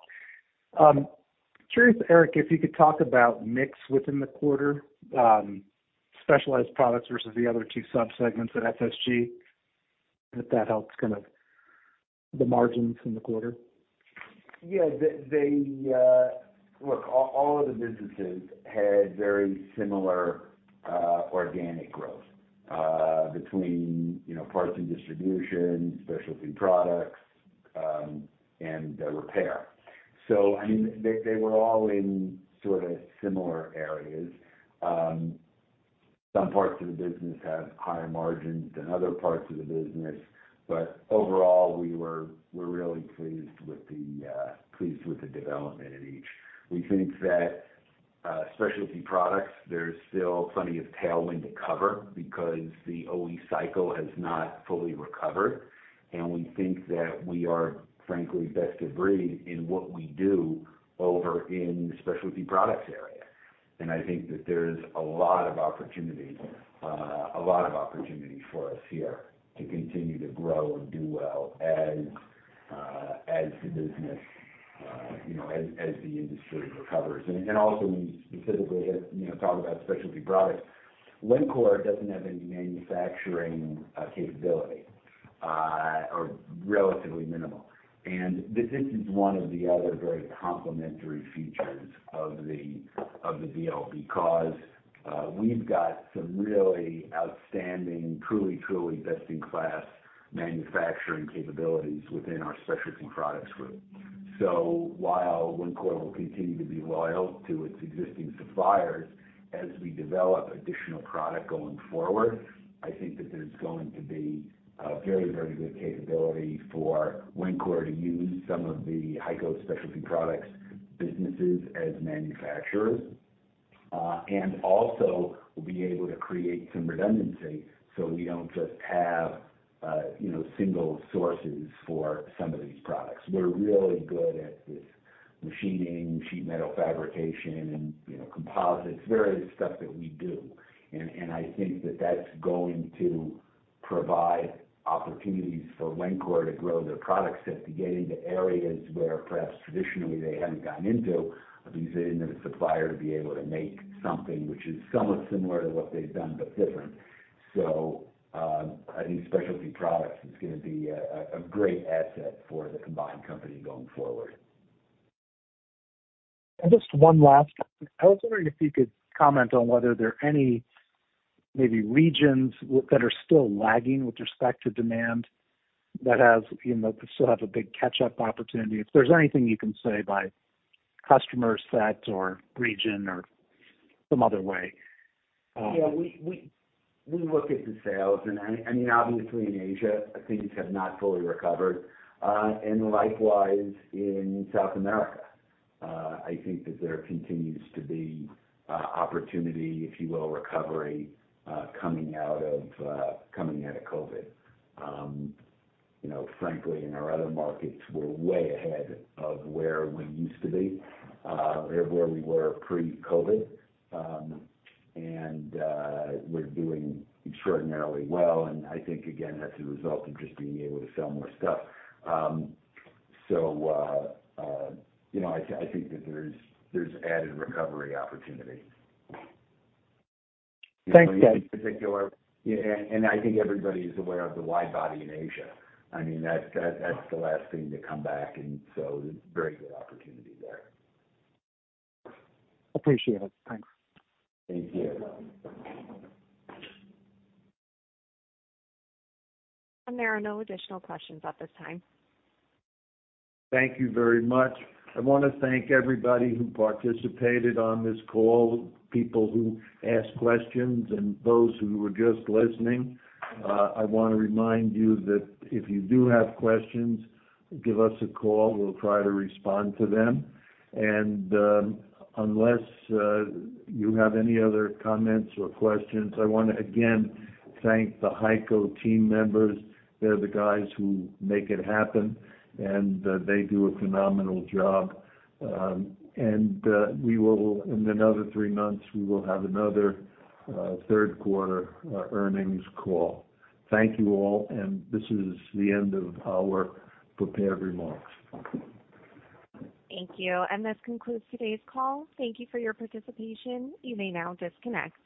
Speaker 21: Curious, Eric, if you could talk about mix within the quarter, specialized products versus the other two subsegments at FSG, if that helps kind of the margins in the quarter?
Speaker 3: Yeah. They, Look, all of the businesses had very similar organic growth between, you know, parts and distribution, specialty products, and the repair. I mean, they were all in sort of similar areas. Some parts of the business have higher margins than other parts of the business, but overall, we're really pleased with the development of each. We think that specialty products, there's still plenty of tailwind to cover because the OE cycle has not fully recovered. We think that we are, frankly, best of breed in what we do over in the specialty products area. I think that there's a lot of opportunity, a lot of opportunity for us here to continue to grow and do well as the business, you know, as the industry recovers. Also, when you specifically have, you know, talk about specialty products, Wencor doesn't have any manufacturing capability or relatively minimal. This is one of the other very complementary features of the deal because we've got some really outstanding, truly best-in-class manufacturing capabilities within our specialty products group. While Wencor will continue to be loyal to its existing suppliers as we develop additional product going forward, I think that there's going to be a very, very good capability for Wencor to use some of the HEICO specialty products businesses as manufacturers. Also we'll be able to create some redundancy, so we don't just have, you know, single sources for some of these products. We're really good at this machining, sheet metal fabrication and, you know, composites, various stuff that we do. I think that's going to provide opportunities for Wencor to grow their product set, to get into areas where perhaps traditionally they hadn't gotten into because they didn't have a supplier to be able to make something which is somewhat similar to what they've done, but different. I think specialty products is gonna be a great asset for the combined company going forward.
Speaker 21: Just one last. I was wondering if you could comment on whether there are any maybe regions that are still lagging with respect to demand that has, you know, could still have a big catch-up opportunity. If there's anything you can say by customer set or region or some other way?
Speaker 3: Yeah. We look at the sales and I mean, obviously in Asia, things have not fully recovered. Likewise in South America, I think that there continues to be opportunity, if you will, recovery, coming out of coming out of COVID. You know, frankly, in our other markets, we're way ahead of where we used to be, or where we were pre-COVID. We're doing extraordinarily well. I think, again, that's a result of just being able to sell more stuff. You know, I think that there's added recovery opportunity.
Speaker 21: Thanks.
Speaker 3: You know, in particular... Yeah. I think everybody is aware of the wide body in Asia. I mean, that's the last thing to come back. There's very good opportunity there.
Speaker 21: Appreciate it. Thanks.
Speaker 3: Thank you.
Speaker 1: There are no additional questions at this time.
Speaker 2: Thank you very much. I wanna thank everybody who participated on this call, people who asked questions and those who were just listening. I wanna remind you that if you do have questions, give us a call. We'll try to respond to them. Unless you have any other comments or questions, I wanna again thank the HEICO team members. They're the guys who make it happen, and they do a phenomenal job. We will, in another three months, we will have another Q3 earnings call. Thank you all. This is the end of our prepared remarks.
Speaker 1: Thank you. This concludes today's call. Thank you for your participation. You may now disconnect.